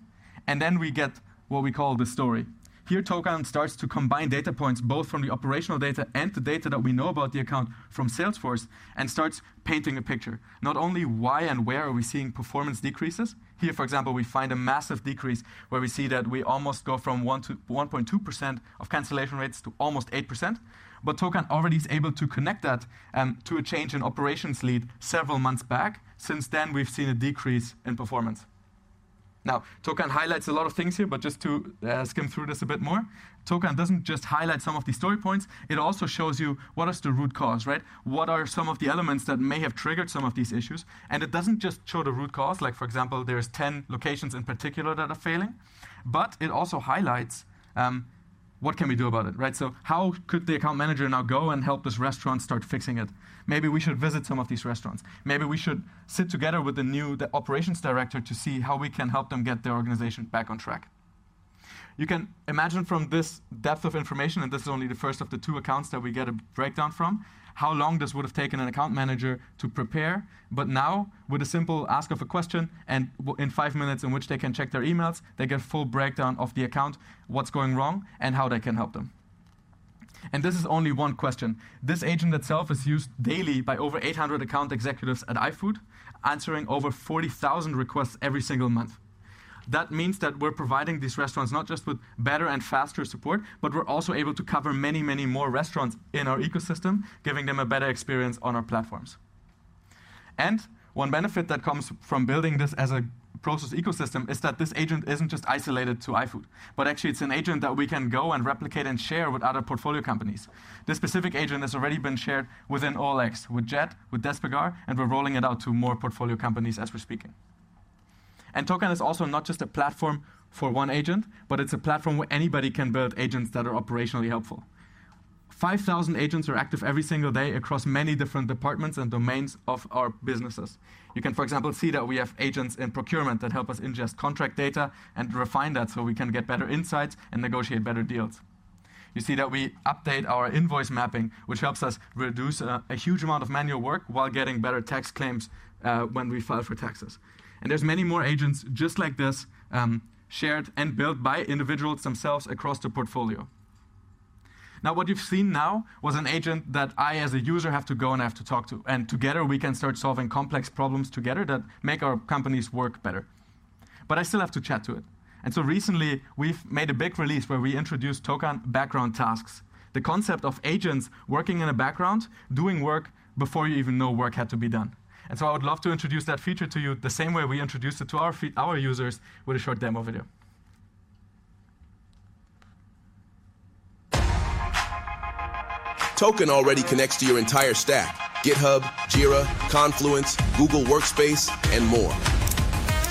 and then we get what we call the story. Here, Toqan starts to combine data points both from the operational data and the data that we know about the account from Salesforce and starts painting a picture, not only why and where are we seeing performance decreases. Here, for example, we find a massive decrease where we see that we almost go from 1%-1.2% of cancellation rates to almost 8%, but Toqan already is able to connect that to a change in operations lead several months back. Since then, we've seen a decrease in performance. Now, Toqan highlights a lot of things here, but just to skim through this a bit more, Toqan doesn't just highlight some of these story points, it also shows you what is the root cause, right? What are some of the elements that may have triggered some of these issues? It doesn't just show the root cause. Like, for example, there's 10 locations in particular that are failing, but it also highlights what can we do about it, right? How could the account manager now go and help this restaurant start fixing it? Maybe we should visit some of these restaurants. Maybe we should sit together with the new operations director to see how we can help them get their organization back on track. You can imagine from this depth of information, and this is only the first of the two accounts that we get a breakdown from, how long this would have taken an account manager to prepare. Now, with a simple ask of a question, in five minutes in which they can check their emails, they get a full breakdown of the account, what's going wrong, and how they can help them. This is only one question. This agent itself is used daily by over 800 account executives at iFood, answering over 40,000 requests every single month. That means that we're providing these restaurants not just with better and faster support, but we're also able to cover many, many more restaurants in our ecosystem, giving them a better experience on our platforms. One benefit that comes from building this as a process ecosystem is that this agent isn't just isolated to iFood, but actually it's an agent that we can go and replicate and share with other portfolio companies. This specific agent has already been shared within OLX, with Just Eat, with Despegar, and we're rolling it out to more portfolio companies as we're speaking. Toqan is also not just a platform for one agent, but it's a platform where anybody can build agents that are operationally helpful. 5,000 agents are active every single day across many different departments and domains of our businesses. You can, for example, see that we have agents in procurement that help us ingest contract data and refine that so we can get better insights and negotiate better deals. You see that we update our invoice mapping, which helps us reduce a huge amount of manual work while getting better tax claims when we file for taxes. There's many more agents just like this, shared and built by individuals themselves across the portfolio. Now, what you've seen now was an agent that I as a user have to go and have to talk to, and together we can start solving complex problems together that make our companies work better. I still have to chat to it. Recently we've made a big release where we introduced Toqan background tasks. The concept of agents working in a background doing work before you even know work had to be done. I would love to introduce that feature to you the same way we introduced it to our users with a short demo video. Toqan already connects to your entire stack, GitHub, Jira, Confluence, Google Workspace, and more.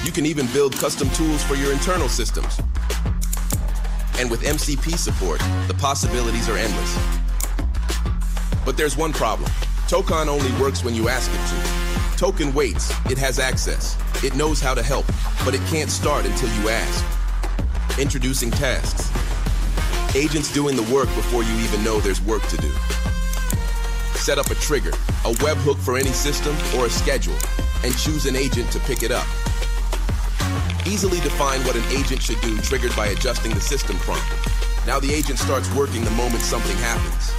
You can even build custom tools for your internal systems. With MCP support, the possibilities are endless. There's one problem. Toqan only works when you ask it to. Toqan waits. It has access. It knows how to help, but it can't start until you ask. Introducing Tasks, agents doing the work before you even know there's work to do. Set up a trigger, a webhook for any system or a schedule, and choose an agent to pick it up. Easily define what an agent should do, triggered by adjusting the system front. Now the agent starts working the moment something happens.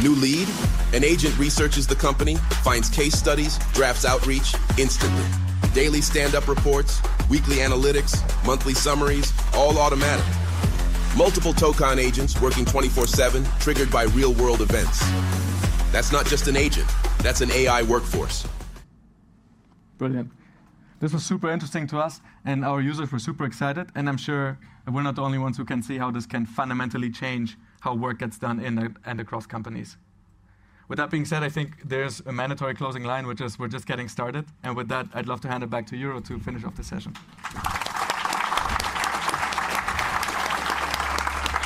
New lead? An agent researches the company, finds case studies, drafts outreach instantly. Daily standup reports, weekly analytics, monthly summaries, all automatic. Multiple Toqan agents working 24/7, triggered by real world events. That's not just an agent, that's an AI workforce. Brilliant. This was super interesting to us, and our users were super excited, and I'm sure we're not the only ones who can see how this can fundamentally change how work gets done in and across companies. With that being said, I think there's a mandatory closing line, which is we're just getting started. With that, I'd love to hand it back to Euro Beinat to finish off the session.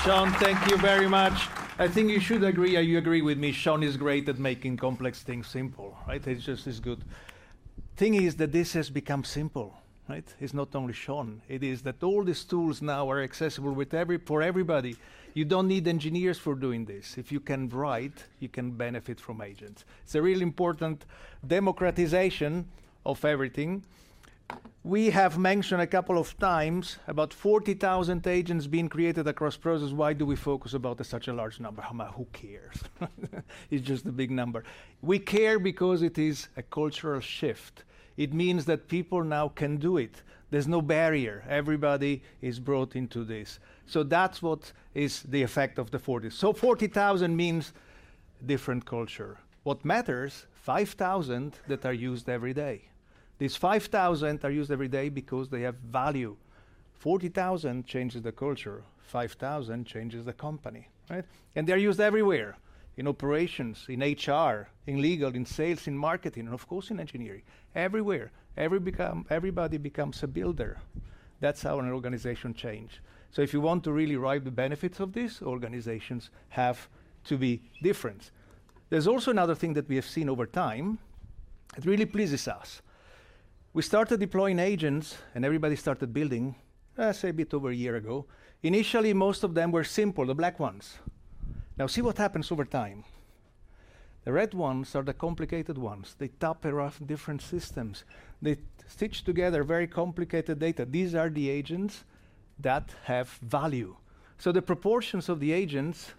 Sean, thank you very much. I think you should agree, or you agree with me, Sean is great at making complex things simple, right? He's just as good. The thing is that this has become simple, right? It's not only Sean, it is that all these tools now are accessible for everybody. You don't need engineers for doing this. If you can write, you can benefit from agents. It's a really important democratization of everything. We have mentioned a couple of times about 40,000 agents being created across processes. Why do we focus about such a large number? I mean, who cares? It's just a big number. We care because it is a cultural shift. It means that people now can do it. There's no barrier. Everybody is brought into this. That's what is the effect of the 40,000. 40,000 means different culture. What matters, 5,000 that are used every day. These 5,000 are used every day because they have value. 40,000 changes the culture, 5,000 changes the company, right? They're used everywhere, in operations, in HR, in legal, in sales, in marketing, and of course in engineering. Everywhere. Everybody becomes a builder. That's how an organization change. If you want to really ride the benefits of this, organizations have to be different. There's also another thing that we have seen over time. It really pleases us. We started deploying agents and everybody started building, say a bit over a year ago. Initially, most of them were simple, the black ones. Now see what happens over time. The red ones are the complicated ones. They tap around different systems. They stitch together very complicated data. These are the agents that have value. The proportions of the agents,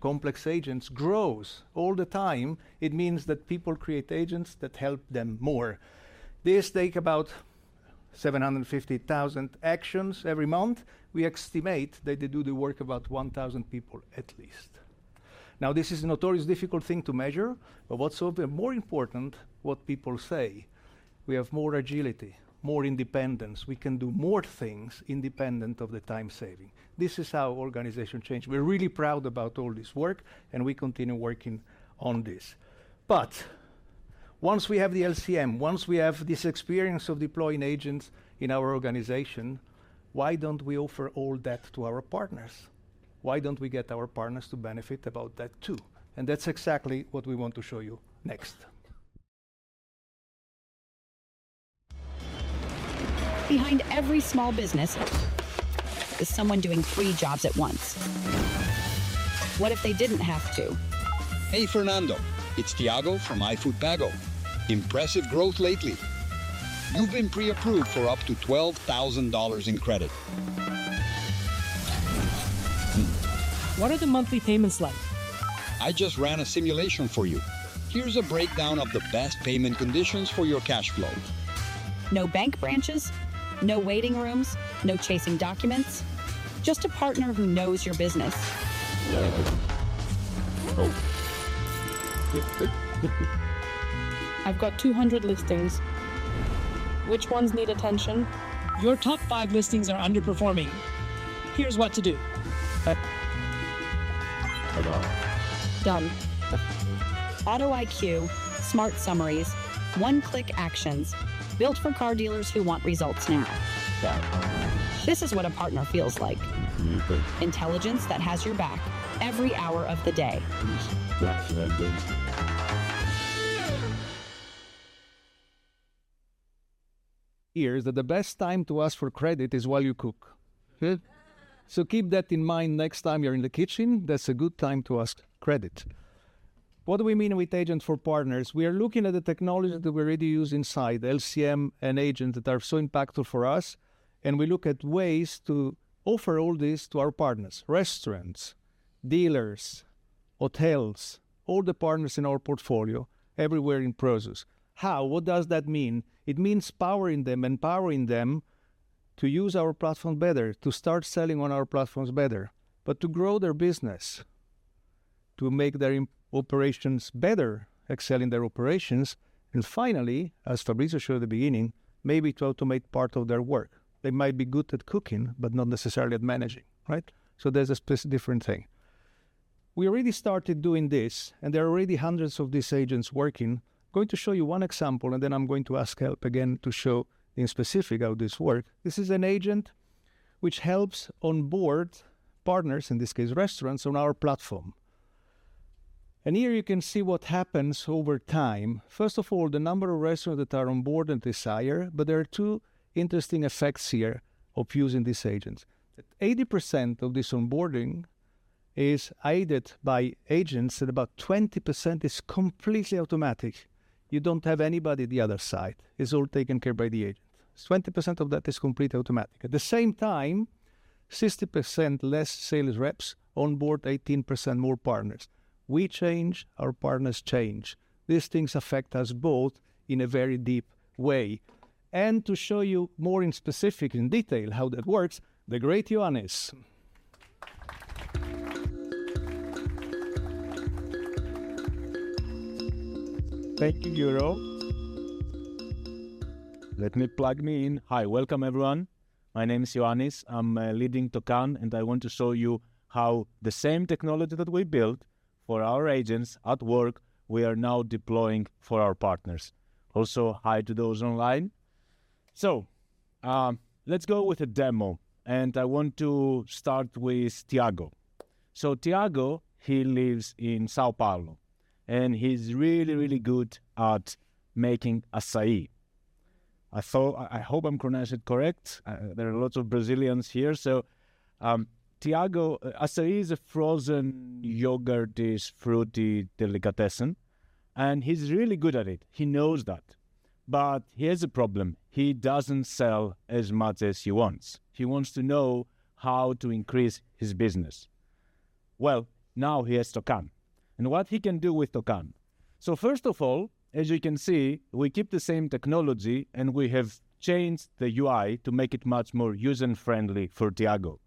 complex agents, grows all the time. It means that people create agents that help them more. These take about 750,000 actions every month. We estimate that they do the work about 1,000 people at least. Now, this is a notoriously difficult thing to measure, but what's sort of more important, what people say, "We have more agility, more independence. We can do more things independent of the time saving." This is how organization change. We're really proud about all this work, and we continue working on this. Once we have the LCM, once we have this experience of deploying agents in our organization, why don't we offer all that to our partners? Why don't we get our partners to benefit about that too? That's exactly what we want to show you next. Behind every small business is someone doing three jobs at once. What if they didn't have to? Hey, Fernando, it's Tiago from iFood Pago. Impressive growth lately. You've been pre-approved for up to $12,000 in credit. What are the monthly payments like? I just ran a simulation for you. Here's a breakdown of the best payment conditions for your cash flow. No bank branches, no waiting rooms, no chasing documents, just a partner who knows your business. I've got 200 listings. Which ones need attention? Your top five listings are underperforming. Here's what to do. Done. AutoIQ, smart summaries, one-click actions built for car dealers who want results now. This is what a partner feels like. Intelligence that has your back every hour of the day. Here is that the best time to ask for credit is while you cook. Huh? So keep that in mind next time you're in the kitchen. That's a good time to ask credit. What do we mean with agent for partners? We are looking at the technology that we already use inside LCM and agent that are so impactful for us, and we look at ways to offer all this to our partners, restaurants, dealers, hotels, all the partners in our portfolio everywhere in Prosus. How? What does that mean? It means powering them, empowering them to use our platform better, to start selling on our platforms better, but to grow their business, to make their operations better, excel in their operations. Finally, as Fabrizio showed at the beginning, maybe to automate part of their work. They might be good at cooking, but not necessarily at managing, right? There's a different thing. We already started doing this, and there are already hundreds of these agents working. Going to show you one example, and then I'm going to ask for help again to show specifically how this works. This is an agent which helps onboard partners, in this case, restaurants on our platform. Here you can see what happens over time. First of all, the number of restaurants that are onboarded this year. But there are two interesting effects here of using these agents. 80% of this onboarding is aided by agents, and about 20% is completely automatic. You don't have anybody on the other side. It's all taken care of by the agent. 20% of that is completely automatic. At the same time, 60% less sales reps onboard 18% more partners. We change, our partners change. These things affect us both in a very deep way. To show you more in specific in detail how that works, the great Ioannis. Thank you, Euro. Let me plug in. Hi, welcome everyone. My name is Ioannis. I'm leading Tocan, and I want to show you how the same technology that we built for our agents at work, we are now deploying for our partners. Also, hi to those online. Let's go with a demo, and I want to start with Tiago. Tiago, he lives in São Paulo, and he's really, really good at making açaí. I hope I'm pronouncing it correct. There are lots of Brazilians here. Tiago, açaí is a frozen yogurt-ish, fruity delicatessen, and he's really good at it. He knows that. But he has a problem. He doesn't sell as much as he wants. He wants to know how to increase his business. Well, now he has Tocan. What he can do with Tocan? First of all, as you can see, we keep the same technology, and we have changed the UI to make it much more user-friendly for Tiago.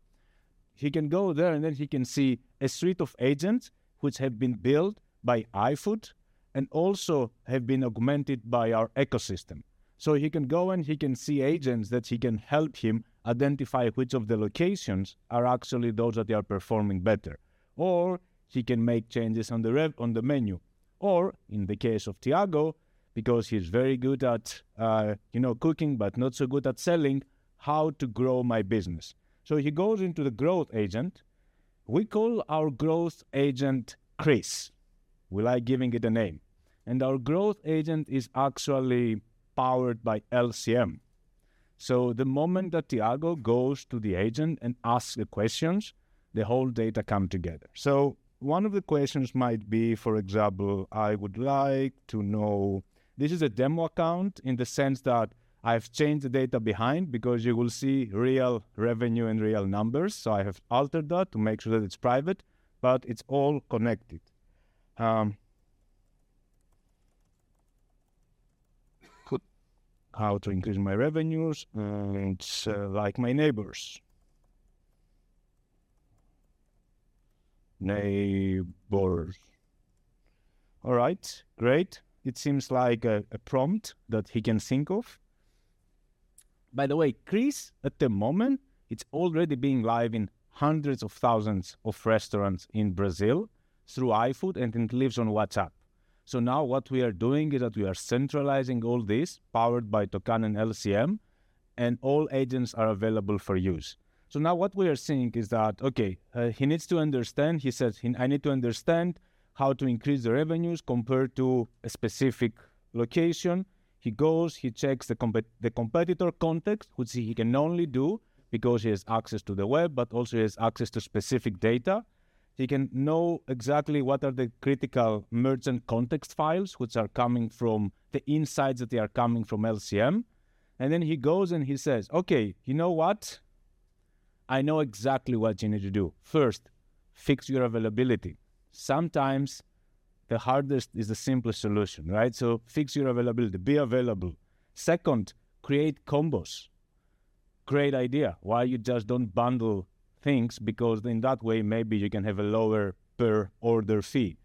He can go there, and then he can see a suite of agents which have been built by iFood and also have been augmented by our ecosystem. He can go and he can see agents that he can help him identify which of the locations are actually those that are performing better. Or he can make changes on the menu. Or in the case of Tiago, because he's very good at, you know, cooking but not so good at selling, how to grow my business. He goes into the growth agent. We call our growth agent Cris. We like giving it a name, and our growth agent is actually powered by LCM. The moment that Tiago goes to the agent and asks the questions, the whole data come together. One of the questions might be, for example, I would like to know. This is a demo account in the sense that I've changed the data behind because you will see real revenue and real numbers. I have altered that to make sure that it's private, but it's all connected. How to increase my revenues and like my neighbors. Neighbors. All right. Great. It seems like a prompt that he can think of. By the way, Cris, at the moment, it's already been live in hundreds of thousands of restaurants in Brazil through iFood, and it lives on WhatsApp. Now what we are doing is that we are centralizing all this powered by Toqan and LCM, and all agents are available for use. Now what we are seeing is that, okay, he needs to understand. He says, "I need to understand how to increase the revenues compared to a specific location." He goes, he checks the competitor context, which he can only do because he has access to the web, but also he has access to specific data. He can know exactly what are the critical merchant context files, which are coming from the insights that they are coming from LCM. He goes, and he says, "Okay, you know what? I know exactly what you need to do. First, fix your availability." Sometimes the hardest is the simplest solution, right? Fix your availability. Be available. Second, create combos. Great idea. Why you just don't bundle things? Because in that way maybe you can have a lower per order fee.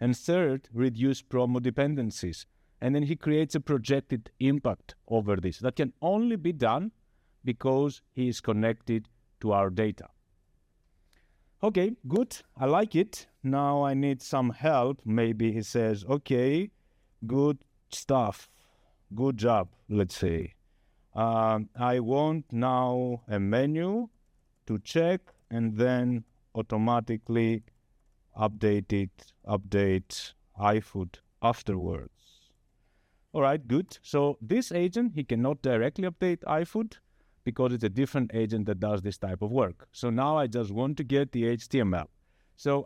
And third, reduce promo dependencies. He creates a projected impact over this. That can only be done because he's connected to our data. Okay, good. I like it. Now I need some help. Maybe he says, "Okay, good stuff. Good job." Let's see. "I want now a menu to check and then automatically update it, update iFood afterwards." All right, good. This agent cannot directly update iFood because it's a different agent that does this type of work. Now I just want to get the HTML.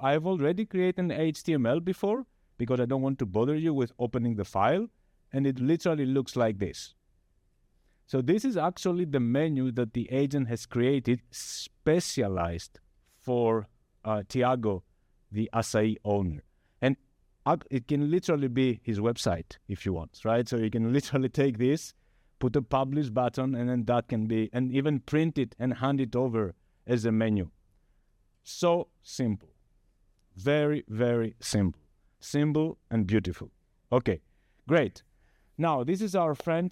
I've already created an HTML before because I don't want to bother you with opening the file, and it literally looks like this. This is actually the menu that the agent has created specialized for Tiago, the açaí owner, and it can literally be his website if you want, right? You can literally take this, put a publish button, and then that can be. Even print it and hand it over as a menu. Simple. Very, very simple. Simple and beautiful. Okay, great. Now this is our friend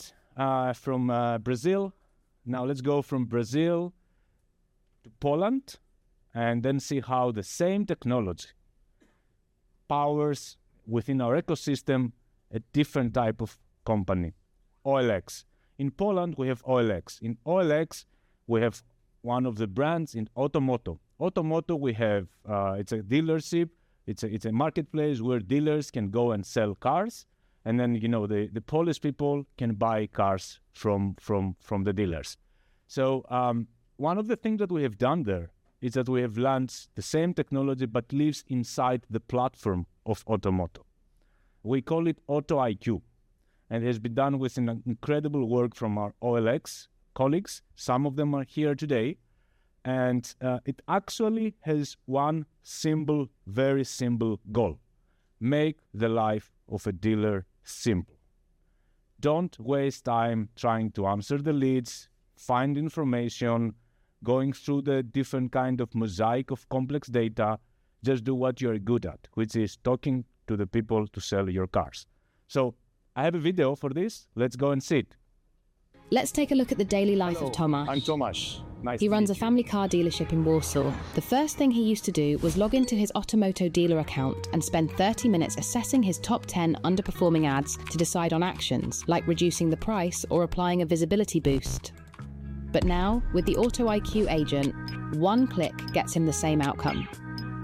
from Brazil. Now let's go from Brazil to Poland and then see how the same technology powers within our ecosystem, a different type of company, OLX. In Poland, we have OLX. In OLX, we have one of the brands in Otomoto. Otomoto, we have, it's a dealership. It's a marketplace where dealers can go and sell cars, and then, you know, the Polish people can buy cars from the dealers. One of the things that we have done there is that we have launched the same technology but lives inside the platform of Otomoto. We call it AutoIQ, and it has been done with an incredible work from our OLX colleagues. Some of them are here today, and it actually has one simple, very simple goal, make the life of a dealer simple. Don't waste time trying to answer the leads, find information, going through the different kind of mosaic of complex data. Just do what you're good at, which is talking to the people to sell your cars. I have a video for this. Let's go and see it. Let's take a look at the daily life of Tomasz. Hello, I'm Tomasz. Nice to meet you. He runs a family car dealership in Warsaw. The first thing he used to do was log into his Otomoto dealer account and spend 30 minutes assessing his top 10 underperforming ads to decide on actions like reducing the price or applying a visibility boost. Now with the AutoIQ agent, one click gets him the same outcome.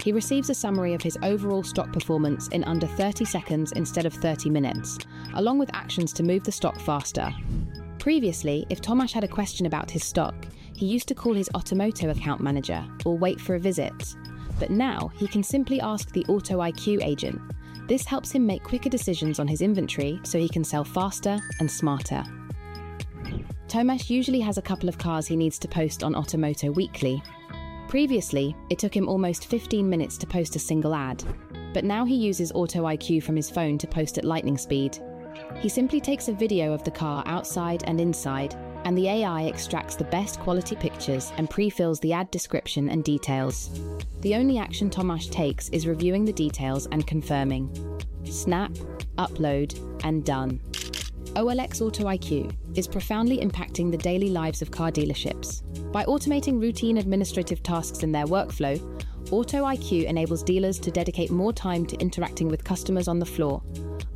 He receives a summary of his overall stock performance in under 30 seconds instead of 30 minutes, along with actions to move the stock faster. Previously, if Tomasz had a question about his stock, he used to call his Otomoto account manager or wait for a visit, but now he can simply ask the AutoIQ agent. This helps him make quicker decisions on his inventory so he can sell faster and smarter. Tomasz usually has a couple of cars he needs to post on Otomoto weekly. Previously, it took him almost 15 minutes to post a single ad, but now he uses AutoIQ from his phone to post at lightning speed. He simply takes a video of the car outside and inside, and the AI extracts the best quality pictures and pre-fills the ad description and details. The only action Tomasz takes is reviewing the details and confirming. Snap, upload, and done. OLX AutoIQ is profoundly impacting the daily lives of car dealerships. By automating routine administrative tasks in their workflow, AutoIQ enables dealers to dedicate more time to interacting with customers on the floor,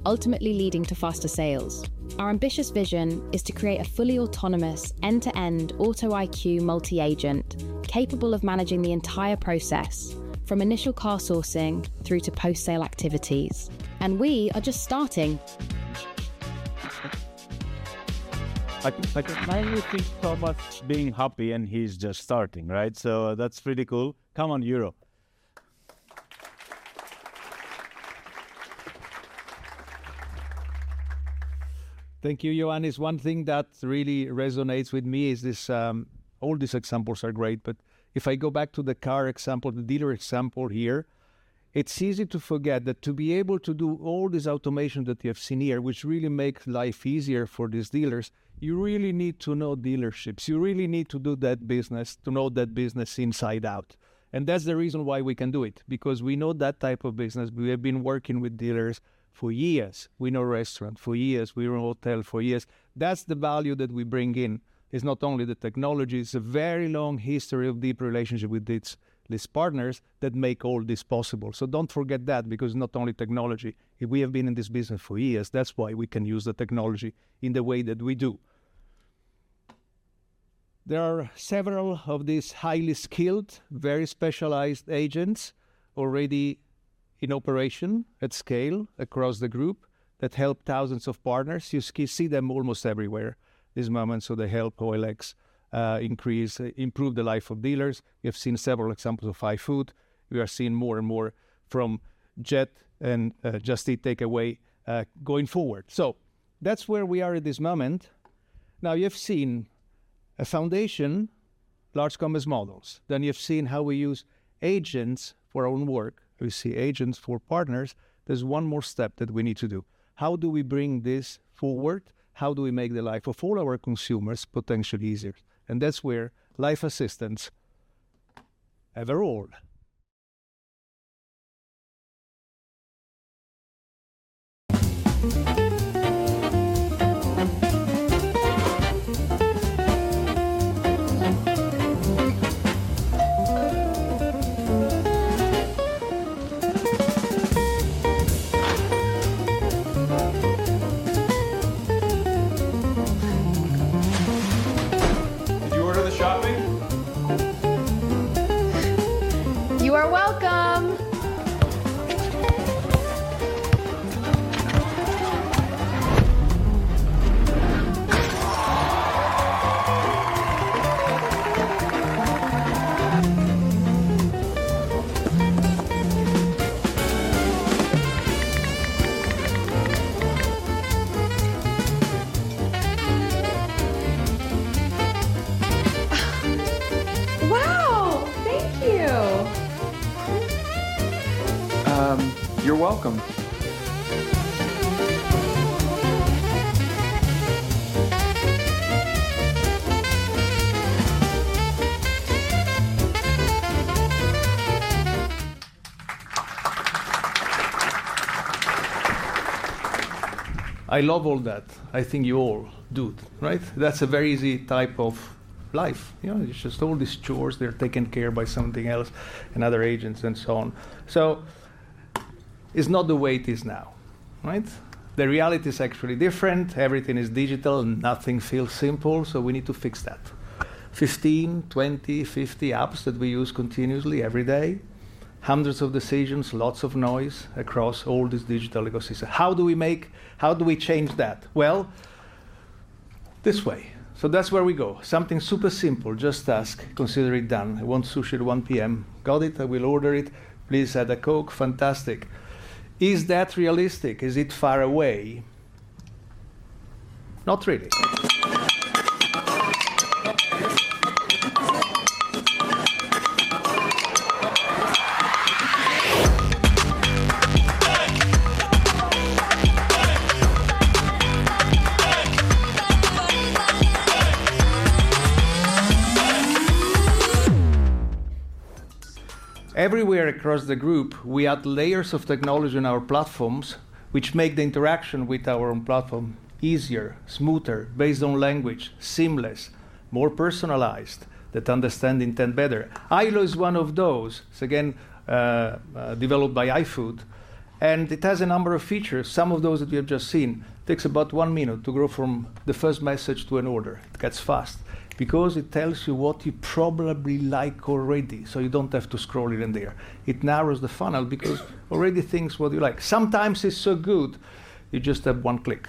ultimately leading to faster sales. Our ambitious vision is to create a fully autonomous end-to-end AutoIQ multi-agent capable of managing the entire process from initial car sourcing through to post-sale activities, and we are just starting. I like Tomasz being happy, and he's just starting, right? That's pretty cool. Come on, Euro. Thank you, Ioannis. There's one thing that really resonates with me is this, all these examples are great, but if I go back to the car example, the dealer example here, it's easy to forget that to be able to do all this automation that you have seen here, which really make life easier for these dealers, you really need to know dealerships. You really need to do that business to know that business inside out, and that's the reason why we can do it, because we know that type of business. We have been working with dealers for years. We know restaurant for years. We know hotel for years. That's the value that we bring in, is not only the technology. It's a very long history of deep relationship with these partners that make all this possible. Don't forget that because not only technology. We have been in this business for years. That's why we can use the technology in the way that we do. There are several of these highly skilled, very specialized agents already in operation at scale across the group that help thousands of partners. You see them almost everywhere at this moment. They help OLX increase, improve the life of dealers. We have seen several examples of iFood. We are seeing more and more from Just Eat and Just Eat Takeaway going forward. That's where we are at this moment. Now you have seen a foundation, Large Commerce Models. You have seen how we use agents for our own work. We see agents for partners. There's one more step that we need to do. How do we bring this forward? How do we make the life of all our consumers potentially easier? That's where life assistants have a role. Did you order the shopping? You are welcome. Wow. Thank you. You're welcome. I love all that. I think you all do, right? That's a very easy type of life. You know? It's just all these chores, they're taken care by something else and other agents and so on. It's not the way it is now, right? The reality is actually different. Everything is digital, and nothing feels simple, so we need to fix that. 15, 20, 50 apps that we use continuously every day. Hundreds of decisions, lots of noise across all this digital ecosystem. How do we change that? Well, this way. That's where we go. Something super simple. Just ask. Consider it done. I want sushi at 1:00 P.M. Got it. I will order it. Please add a Coke. Fantastic. Is that realistic? Is it far away? Not really. Everywhere across the group, we add layers of technology in our platforms, which make the interaction with our own platform easier, smoother, based on language, seamless, more personalized that understand intent better. Ailo is one of those. It's again developed by iFood, and it has a number of features. Some of those that we have just seen takes about one minute to go from the first message to an order. It gets fast because it tells you what you probably like already, so you don't have to scroll it in there. It narrows the funnel because already thinks what you like. Sometimes it's so good, you just have one click.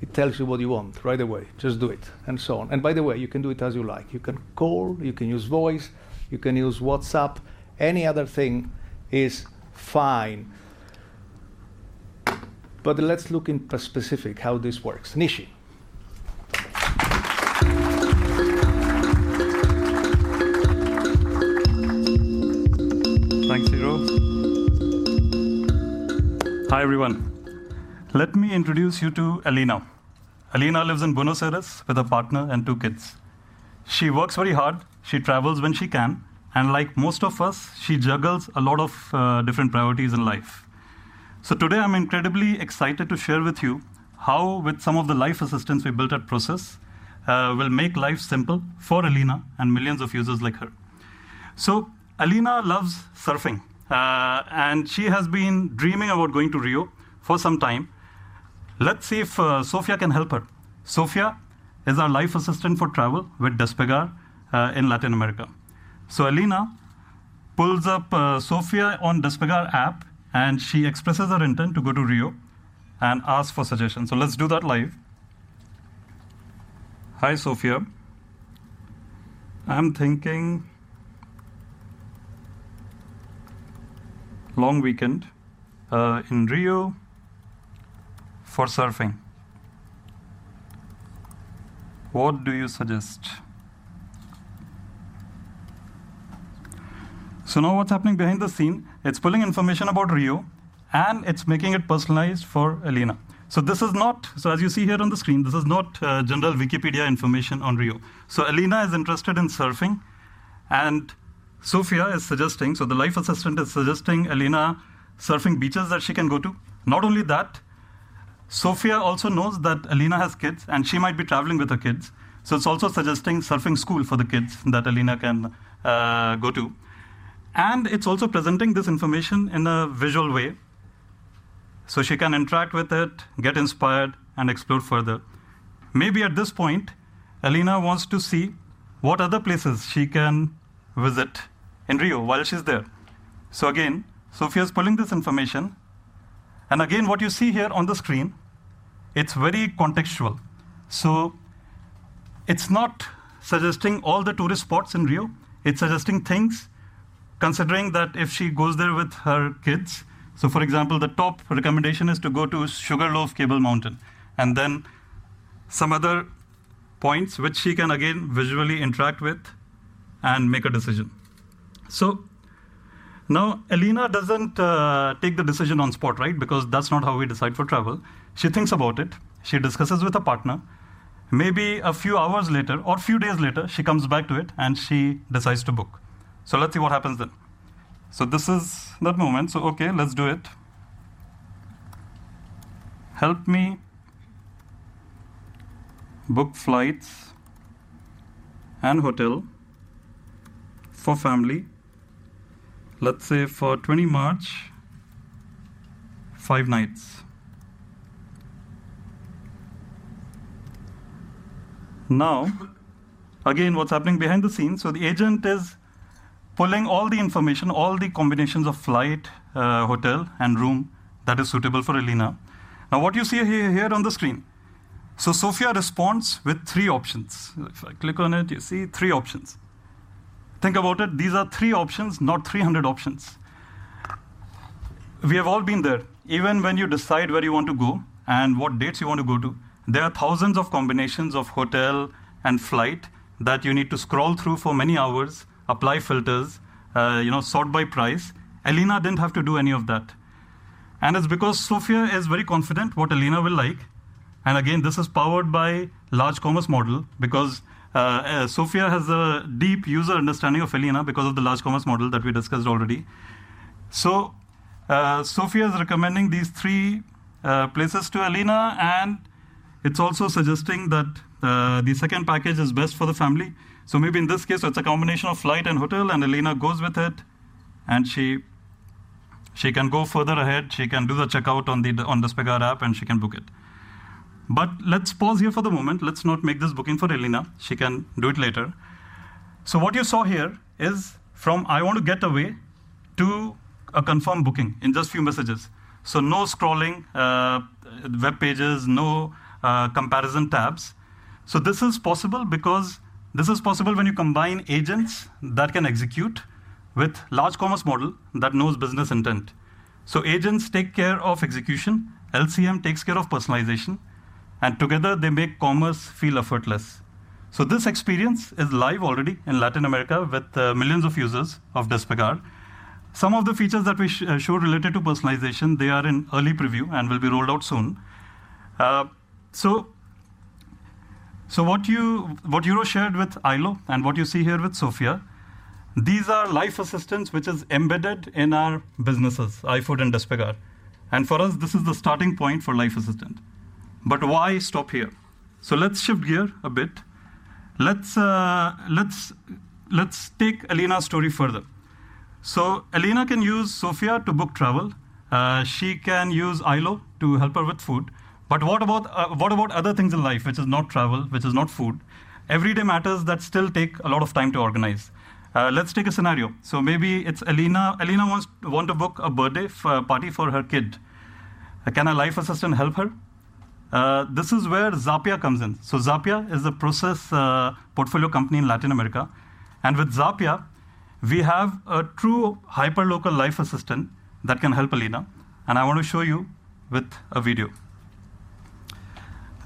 It tells you what you want right away, just do it, and so on. By the way, you can do it as you like. You can call, you can use voice, you can use WhatsApp. Any other thing is fine. Let's look into specific how this works. Nishi. Thanks, Euro. Hi, everyone. Let me introduce you to Elena. Elena lives in Buenos Aires with a partner and two kids. She works very hard, she travels when she can, and like most of us, she juggles a lot of different priorities in life. Today, I'm incredibly excited to share with you how, with some of the life assistants we built at Prosus, will make life simple for Alina and millions of users like her. Alina loves surfing, and she has been dreaming about going to Rio for some time. Let's see if SOFIA can help her. SOFIA is our life assistant for travel with Despegar in Latin America. Alina pulls up SOFIA on Despegar app, and she expresses her intent to go to Rio and asks for suggestions. Let's do that live. Hi, SOFIA. I'm thinking long weekend in Rio for surfing. What do you suggest? Now what's happening behind the scenes, it's pulling information about Rio, and it's making it personalized for Alina. As you see here on the screen, this is not general Wikipedia information on Rio. Alina is interested in surfing, and SOFIA is suggesting, so the life assistant is suggesting Alina surfing beaches that she can go to. Not only that, SOFIA also knows that Alina has kids, and she might be traveling with her kids. It's also suggesting surfing school for the kids that Alina can go to. It's also presenting this information in a visual way, so she can interact with it, get inspired, and explore further. Maybe at this point, Alina wants to see what other places she can visit in Rio while she's there. Again, SOFIA is pulling this information, and again, what you see here on the screen, it's very contextual. It's not suggesting all the tourist spots in Rio, it's suggesting things considering that if she goes there with her kids. For example, the top recommendation is to go to Sugarloaf Mountain, and then some other points which she can again visually interact with and make a decision. Now, Alina doesn't take the decision on spot, right? Because that's not how we decide for travel. She thinks about it. She discusses with her partner. Maybe a few hours later or a few days later, she comes back to it and she decides to book. Let's see what happens then. This is that moment. Okay, let's do it. Help me book flights and hotel for family, let's say for 20 March, five nights. Now, again, what's happening behind the scenes. The agent is pulling all the information, all the combinations of flight, hotel and room that is suitable for Alina. Now, what you see here on the screen. SOFIA responds with three options. If I click on it, you see three options. Think about it. These are three options, not 300 options. We have all been there. Even when you decide where you want to go and what dates you want to go to, there are thousands of combinations of hotel and flight that you need to scroll through for many hours, apply filters, you know, sort by price. Alina didn't have to do any of that. It's because SOFIA is very confident what Alina will like. Again, this is powered by Large Commerce Model because SOFIA has a deep user understanding of Alina because of the Large Commerce Model that we discussed already. SOFIA is recommending these three places to Alina, and it's also suggesting that the second package is best for the family. Maybe in this case, it's a combination of flight and hotel, and Alina goes with it, and she can go further ahead. She can do the checkout on the Despegar app, and she can book it. Let's pause here for the moment. Let's not make this booking for Alina. She can do it later. What you saw here is from, "I want a getaway," to a confirmed booking in just few messages. No scrolling web pages, no comparison tabs. This is possible because... This is possible when you combine agents that can execute with Large Commerce Model that knows business intent. Agents take care of execution, LCM takes care of personalization, and together they make commerce feel effortless. This experience is live already in Latin America with millions of users of Despegar. Some of the features that we showed related to personalization, they are in early preview and will be rolled out soon. What you shared with Ailo and what you see here with SOFIA, these are life assistants which is embedded in our businesses, iFood and Despegar. For us, this is the starting point for life assistant. Why stop here? Let's shift gear a bit. Let's take Alina's story further. Alina can use SOFIA to book travel. She can use Ailo to help her with food. What about other things in life which is not travel, which is not food? Everyday matters that still take a lot of time to organize. Let's take a scenario. Maybe it's Alina. Alina wants to book a party for her kid. Can a life assistant help her? This is where Zapia comes in. Zapia is a Prosus portfolio company in Latin America. With Zapia, we have a true hyperlocal life assistant that can help Alina, and I wanna show you with a video.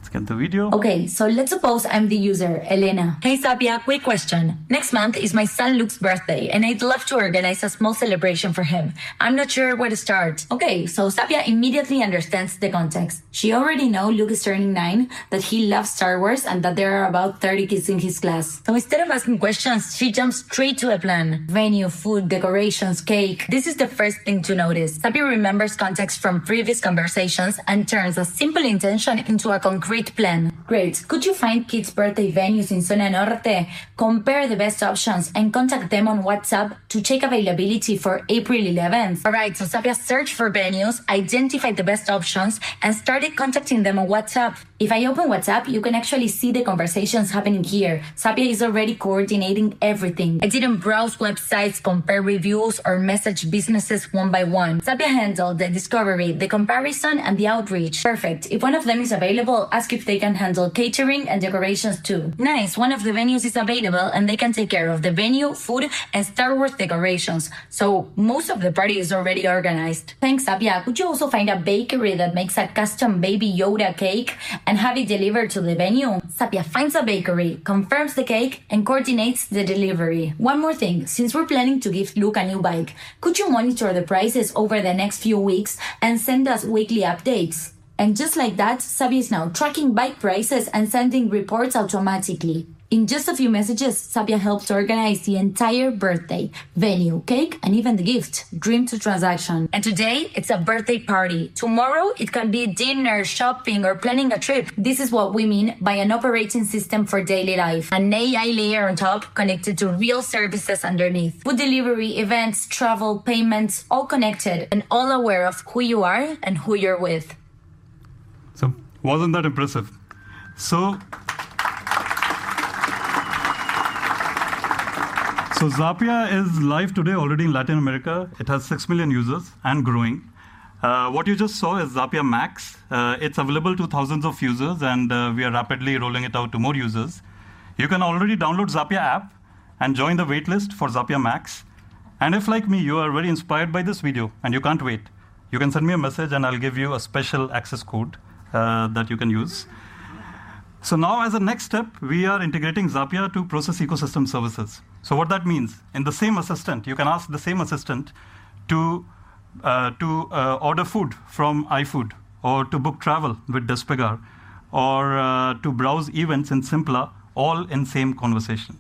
Let's get the video. Okay, let's suppose I'm the user, Elena. Hey, Zapia. Quick question. Next month is my son Luke's birthday, and I'd love to organize a small celebration for him. I'm not sure where to start. Okay, Zapia immediately understands the context. She already know Luke is turning nine, that he loves Star Wars, and that there are about 30 kids in his class. Instead of asking questions, she jumps straight to a plan. Venue, food, decorations, cake. This is the first thing to notice. Zapia remembers context from previous conversations and turns a simple intention into a concrete plan. Great. Could you find kids birthday venues in Zona Norte, compare the best options, and contact them on WhatsApp to check availability for April eleventh? All right, Zapia searched for venues, identified the best options, and started contacting them on WhatsApp. If I open WhatsApp, you can actually see the conversations happening here. Zapia is already coordinating everything. I didn't browse websites, compare reviews, or message businesses one by one. Zapia handled the discovery, the comparison, and the outreach. Perfect. If one of them is available, ask if they can handle catering and decorations too. Nice. One of the venues is available, and they can take care of the venue, food, and Star Wars decorations. Most of the party is already organized. Thanks, Zapia. Could you also find a bakery that makes a custom Baby Yoda cake and have it delivered to the venue? Zapia finds a bakery, confirms the cake, and coordinates the delivery. One more thing, since we're planning to give Luke a new bike, could you monitor the prices over the next few weeks and send us weekly updates? Just like that, Zapia is now tracking bike prices and sending reports automatically. In just a few messages, Zapia helps organize the entire birthday, venue, cake, and even the gift. Dream to transaction. Today, it's a birthday party. Tomorrow, it can be dinner, shopping, or planning a trip. This is what we mean by an operating system for daily life. An AI layer on top connected to real services underneath. Food delivery, events, travel, payments, all connected and all aware of who you are and who you're with. Wasn't that impressive? Zapia is live today already in Latin America. It has six million users and growing. What you just saw is Zapia Max. It's available to thousands of users, and we are rapidly rolling it out to more users. You can already download Zapia app and join the wait list for Zapia Max. If like me, you are very inspired by this video and you can't wait, you can send me a message, and I'll give you a special access code that you can use. Now as a next step, we are integrating Zapia to Prosus ecosystem services. What that means, in the same assistant, you can ask the same assistant to order food from iFood or to book travel with Despegar or to browse events in Sympla, all in same conversation.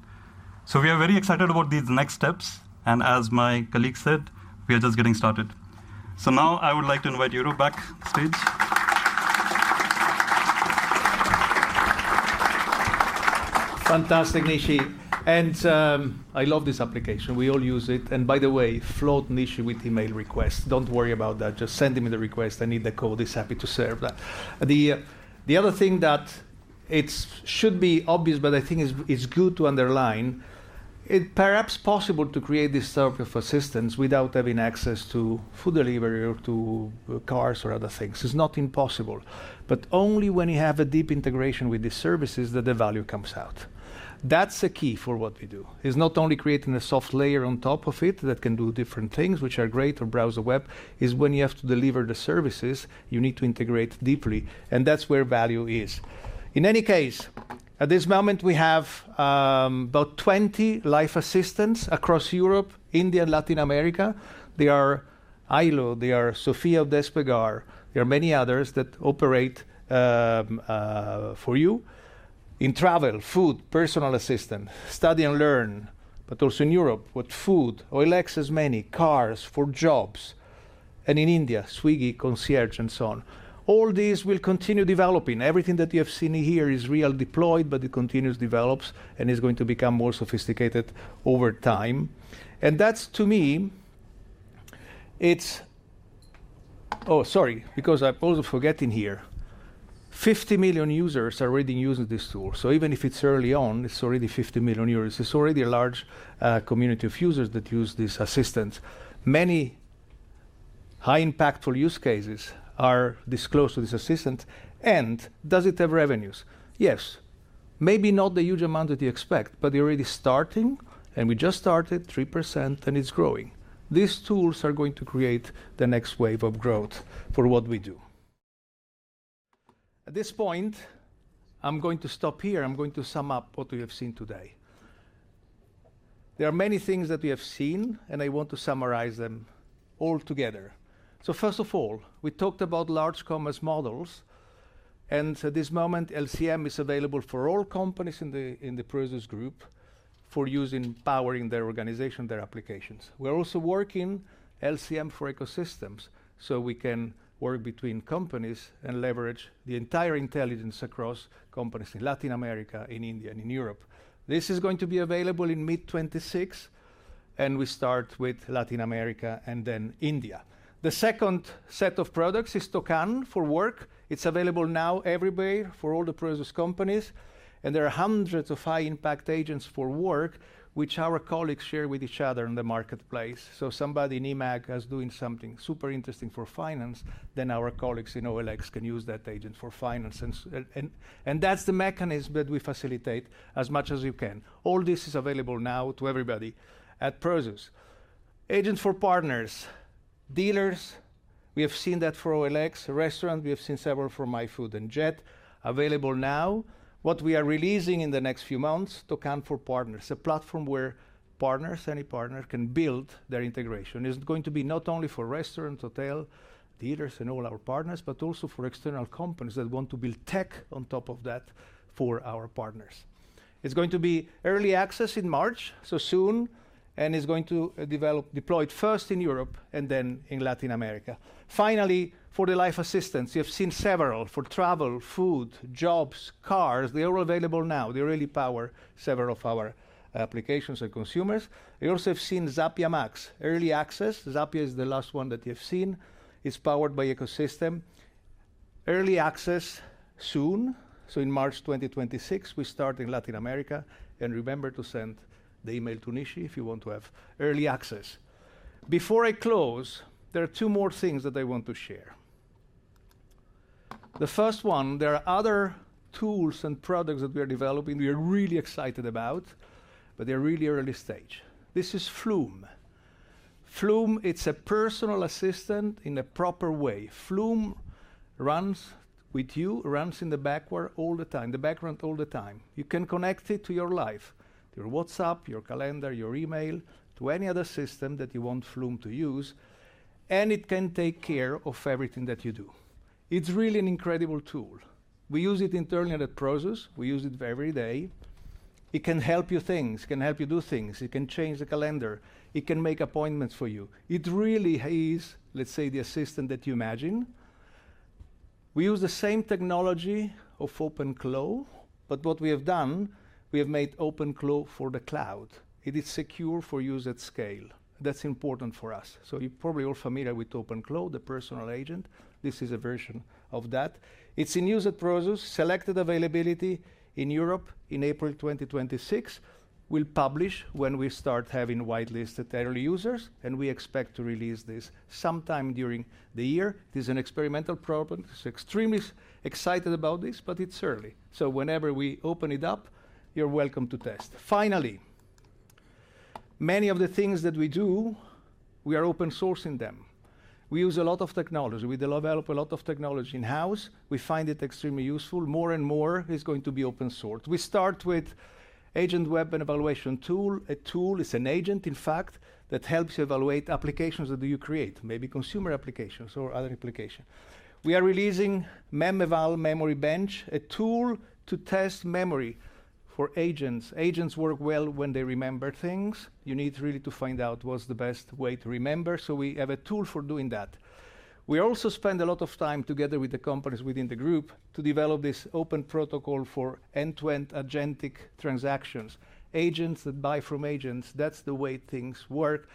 We are very excited about these next steps, and as my colleague said, we are just getting started. Now I would like to invite Yaro back stage. Fantastic, Nishi. I love this application. We all use it. By the way, flood Nishi with email requests. Don't worry about that. Just send him the request. I need the code. He's happy to serve that. The other thing that it should be obvious, but I think is good to underline, it's perhaps possible to create this type of assistance without having access to food delivery or to cars or other things. It's not impossible, but only when you have a deep integration with the services that the value comes out. That's the key for what we do. It's not only creating a software layer on top of it that can do different things, which are great or browse the web. It's when you have to deliver the services, you need to integrate deeply, and that's where value is. In any case, at this moment, we have about 20 live assistants across Europe, India, and Latin America. They are Ailo, they are Sofia of Despegar. There are many others that operate for you in travel, food, personal assistant, study and learn, but also in Europe with food or OLX autos many cars for jobs, and in India, Swiggy, concierge and so on. All these will continue developing. Everything that you have seen here is really deployed, but it continuously develops and is going to become more sophisticated over time. That's, to me, it's. Oh, sorry, because I'm also forgetting here. 50 million users are already using this tool. So even if it's early on, it's already 50 million users. It's already a large community of users that use this assistant. Many highly impactful use cases are disclosed to this assistant. Does it have revenues? Yes. Maybe not the huge amount that you expect, but they're already starting, and we just started 3%, and it's growing. These tools are going to create the next wave of growth for what we do. At this point, I'm going to stop here. I'm going to sum up what we have seen today. There are many things that we have seen, and I want to summarize them all together. First of all, we talked about Large Commerce Models, and at this moment, LCM is available for all companies in the Prosus Group for use in powering their organization, their applications. We're also working LCM for ecosystems, so we can work between companies and leverage the entire intelligence across companies in Latin America, in India, and in Europe. This is going to be available in mid-2026, and we start with Latin America and then India. The second set of products is Toqan for Work. It's available now everywhere for all the Prosus companies, and there are hundreds of high impact agents for work which our colleagues share with each other in the marketplace. Somebody in eMAG is doing something super interesting for finance, then our colleagues in OLX can use that agent for finance. And that's the mechanism that we facilitate as much as you can. All this is available now to everybody at Prosus. Agents for partners. Dealers, we have seen that for OLX. Restaurant, we have seen several for iFood and Just Eat available now. What we are releasing in the next few months, Toqan for Partners, a platform where partners, any partner, can build their integration. It's going to be not only for restaurants, hotel, dealers, and all our partners, but also for external companies that want to build tech on top of that for our partners. It's going to be early access in March, so soon, and it's going to be deployed first in Europe and then in Latin America. Finally, for the life assistants, you have seen several for travel, food, jobs, cars. They are all available now. They really power several of our applications and consumers. You also have seen Zapia Max. Early access. Zapia is the last one that you have seen. It's powered by Ecosystem. Early access soon. In March 2026, we start in Latin America, and remember to send the email to Nishi if you want to have early access. Before I close, there are two more things that I want to share. The first one, there are other tools and products that we are developing, we are really excited about, but they're really early stage. This is Flume. Flume, it's a personal assistant in a proper way. Flume runs with you, runs in the background all the time. You can connect it to your life, your WhatsApp, your calendar, your email, to any other system that you want Flume to use, and it can take care of everything that you do. It's really an incredible tool. We use it internally at Prosus. We use it every day. It can help you do things. It can change the calendar. It can make appointments for you. It really is, let's say, the assistant that you imagine. We use the same technology of OpenAI, but what we have done, we have made OpenAI for the cloud. It is secure for use at scale. That's important for us. You're probably all familiar with Open Claude, the personal agent. This is a version of that. It's in use at Prosus. Selected availability in Europe in April 2026. We'll publish when we start having whitelisted early users, and we expect to release this sometime during the year. This is an experimental program. Extremely excited about this, but it's early. Whenever we open it up, you're welcome to test. Finally, many of the things that we do, we are open sourcing them. We use a lot of technology. We develop a lot of technology in-house. We find it extremely useful. More and more is going to be open source. We start with AgentWeb and Evaluation Tool. A tool is an agent, in fact, that helps you evaluate applications that you create, maybe consumer applications or other applications. We are releasing LongMemEval, a tool to test memory for agents. Agents work well when they remember things. You need really to find out what's the best way to remember, so we have a tool for doing that. We also spend a lot of time together with the companies within the group to develop this open protocol for end-to-end agentic transactions. Agents that buy from agents, that's the way things work.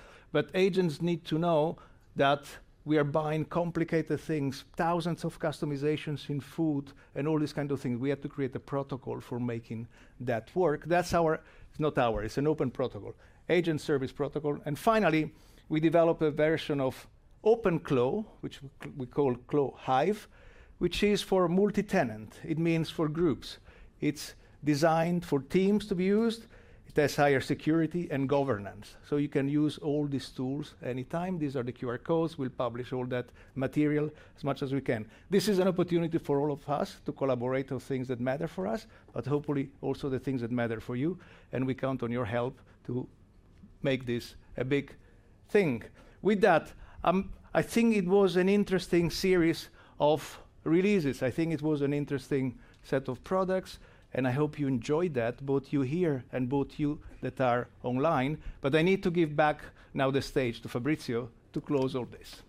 Agents need to know that we are buying complicated things, thousands of customizations in food and all these kind of things. We have to create a protocol for making that work. That's not ours. It's an open protocol. Agent service protocol. Finally, we develop a version of Open WebUI, which we call WebUI Hive, which is for multi-tenant. It means for groups. It's designed for teams to be used. It has higher security and governance. You can use all these tools anytime. These are the QR codes. We'll publish all that material as much as we can. This is an opportunity for all of us to collaborate on things that matter for us, but hopefully also the things that matter for you, and we count on your help to make this a big thing. With that, I think it was an interesting series of releases. I think it was an interesting set of products, and I hope you enjoyed that, both you here and both you that are online. I need to give back now the stage to Fabrício to close all this.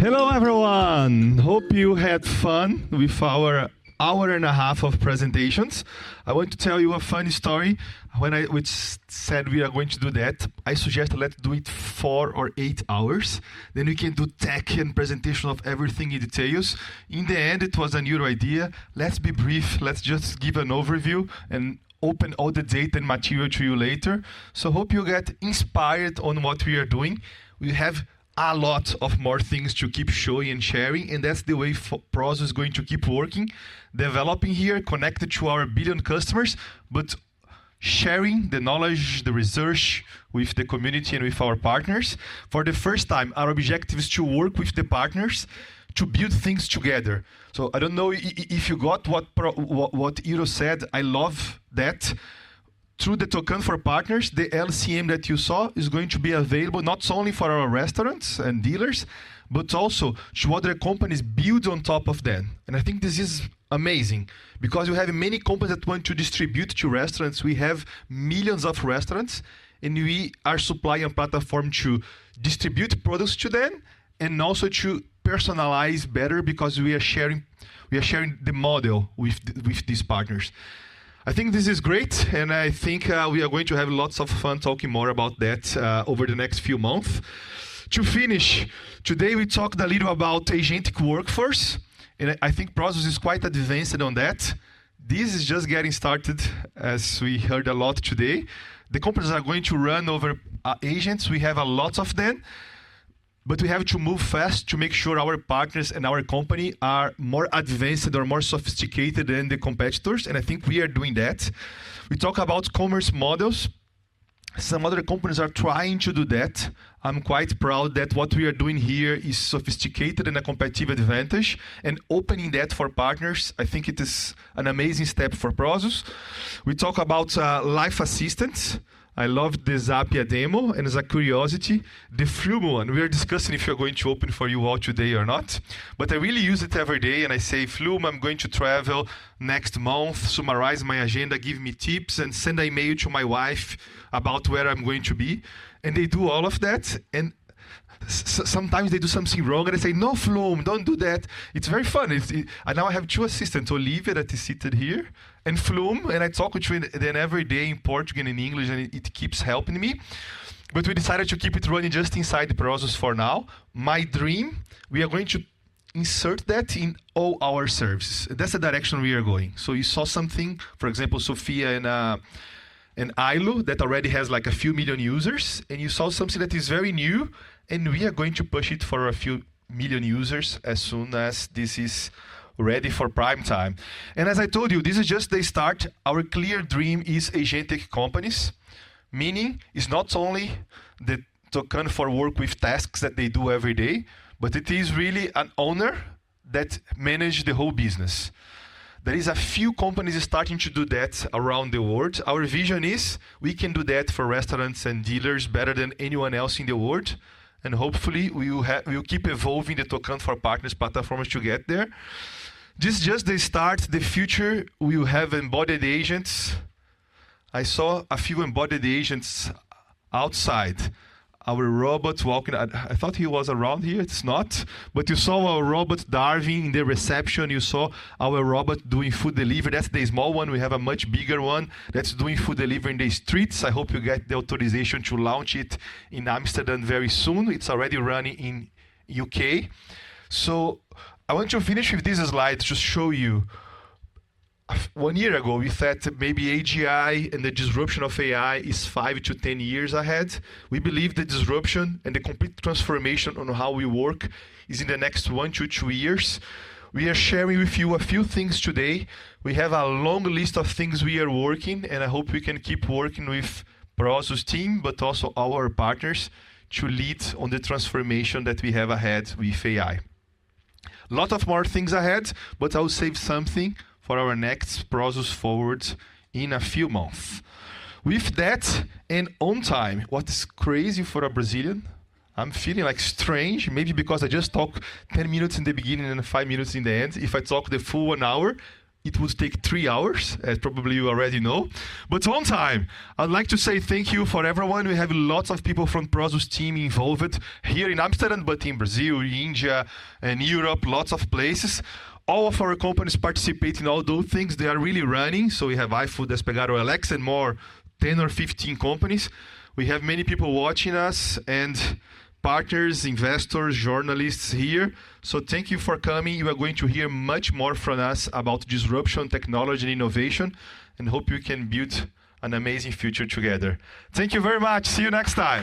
Hello, everyone. Hope you had fun with our hour and a half of presentations. I want to tell you a funny story. When we said we are going to do that, I suggest let's do it four or eight hours. Then we can do tech and presentation of everything in details. In the end, it was a new idea. Let's be brief. Let's just give an overview and open all the data and material to you later. Hope you get inspired on what we are doing. We have a lot of more things to keep showing and sharing, and that's the way Prosus going to keep working, developing here, connected to our billion customers, but sharing the knowledge, the research with the community and with our partners. For the first time, our objective is to work with the partners to build things together. I don't know if you got what Euro Beinat said. I love that. Through the Toqan for Partners, the LCM that you saw is going to be available not only for our restaurants and dealers, but also to other companies build on top of them. I think this is amazing because you have many companies that want to distribute to restaurants. We have millions of restaurants, and we are supplying a platform to distribute products to them and also to personalize better because we are sharing the model with these partners. I think this is great, and I think we are going to have lots of fun talking more about that over the next few month. To finish, today we talked a little about agentic workforce, and I think Prosus is quite advanced on that. This is just getting started, as we heard a lot today. The companies are going to run over agents. We have a lot of them. We have to move fast to make sure our partners and our company are more advanced or more sophisticated than the competitors, and I think we are doing that. We talk about commerce models. Some other companies are trying to do that. I'm quite proud that what we are doing here is sophisticated and a competitive advantage, and opening that for partners, I think it is an amazing step for Prosus. We talk about life assistants. I love the Zapier demo, and as a curiosity, the Flume one. We are discussing if we're going to open for you all today or not. I really use it every day, and I say, "Flume, I'm going to travel next month. Summarize my agenda, give me tips, and send an email to my wife about where I'm going to be." They do all of that, and sometimes they do something wrong, and I say, "No, Flume, don't do that." It's very funny. I now have two assistants, Olivia, that is seated here, and Flume, and I talk between them every day in Portuguese and English, and it keeps helping me. We decided to keep it running just inside Prosus for now. My dream, we are going to insert that in all our services. That's the direction we are going. You saw something, for example, SOFIA and Ailo that already has, like a few million users, and you saw something that is very new, and we are going to push it for a few million users as soon as this is ready for prime time. As I told you, this is just the start. Our clear dream is agentic companies, meaning it's not only the Toqan for Work with tasks that they do every day, but it is really an owner that manage the whole business. There is a few companies starting to do that around the world. Our vision is we can do that for restaurants and dealers better than anyone else in the world, and hopefully we will keep evolving the Toqan for Partners platforms to get there. This is just the start. The future, we will have embodied agents. I saw a few embodied agents outside. Our robot walking. I thought he was around here. It's not. But you saw our robot, Darwin, in the reception. You saw our robot doing food delivery. That's the small one. We have a much bigger one that's doing food delivery in the streets. I hope you get the authorization to launch it in Amsterdam very soon. It's already running in U.K. I want to finish with this slide to show you. One year ago, we thought maybe AGI and the disruption of AI is five to 10 years ahead. We believe the disruption and the complete transformation on how we work is in the next one to two years. We are sharing with you a few things today. We have a long list of things we are working, and I hope we can keep working with Prosus team, but also our partners to lead on the transformation that we have ahead with AI. Lots of more things ahead, but I'll save something for our next Prosus Forward in a few months. With that, on time, what's crazy for a Brazilian. I'm feeling, like, strange maybe because I just talk 10 minutes in the beginning and five minutes in the end. If I talk the full one hour, it would take three hours, as probably you already know. On time, I'd like to say thank you for everyone. We have lots of people from Prosus team involved here in Amsterdam, but in Brazil, India, and Europe, lots of places. All of our companies participate in all those things. They are really running. We have iFood, Despegar, OLX, and more, 10 or 15 companies. We have many people watching us and partners, investors, journalists here. Thank you for coming. You are going to hear much more from us about disruption, technology, and innovation, and hope you can build an amazing future together. Thank you very much. See you next time.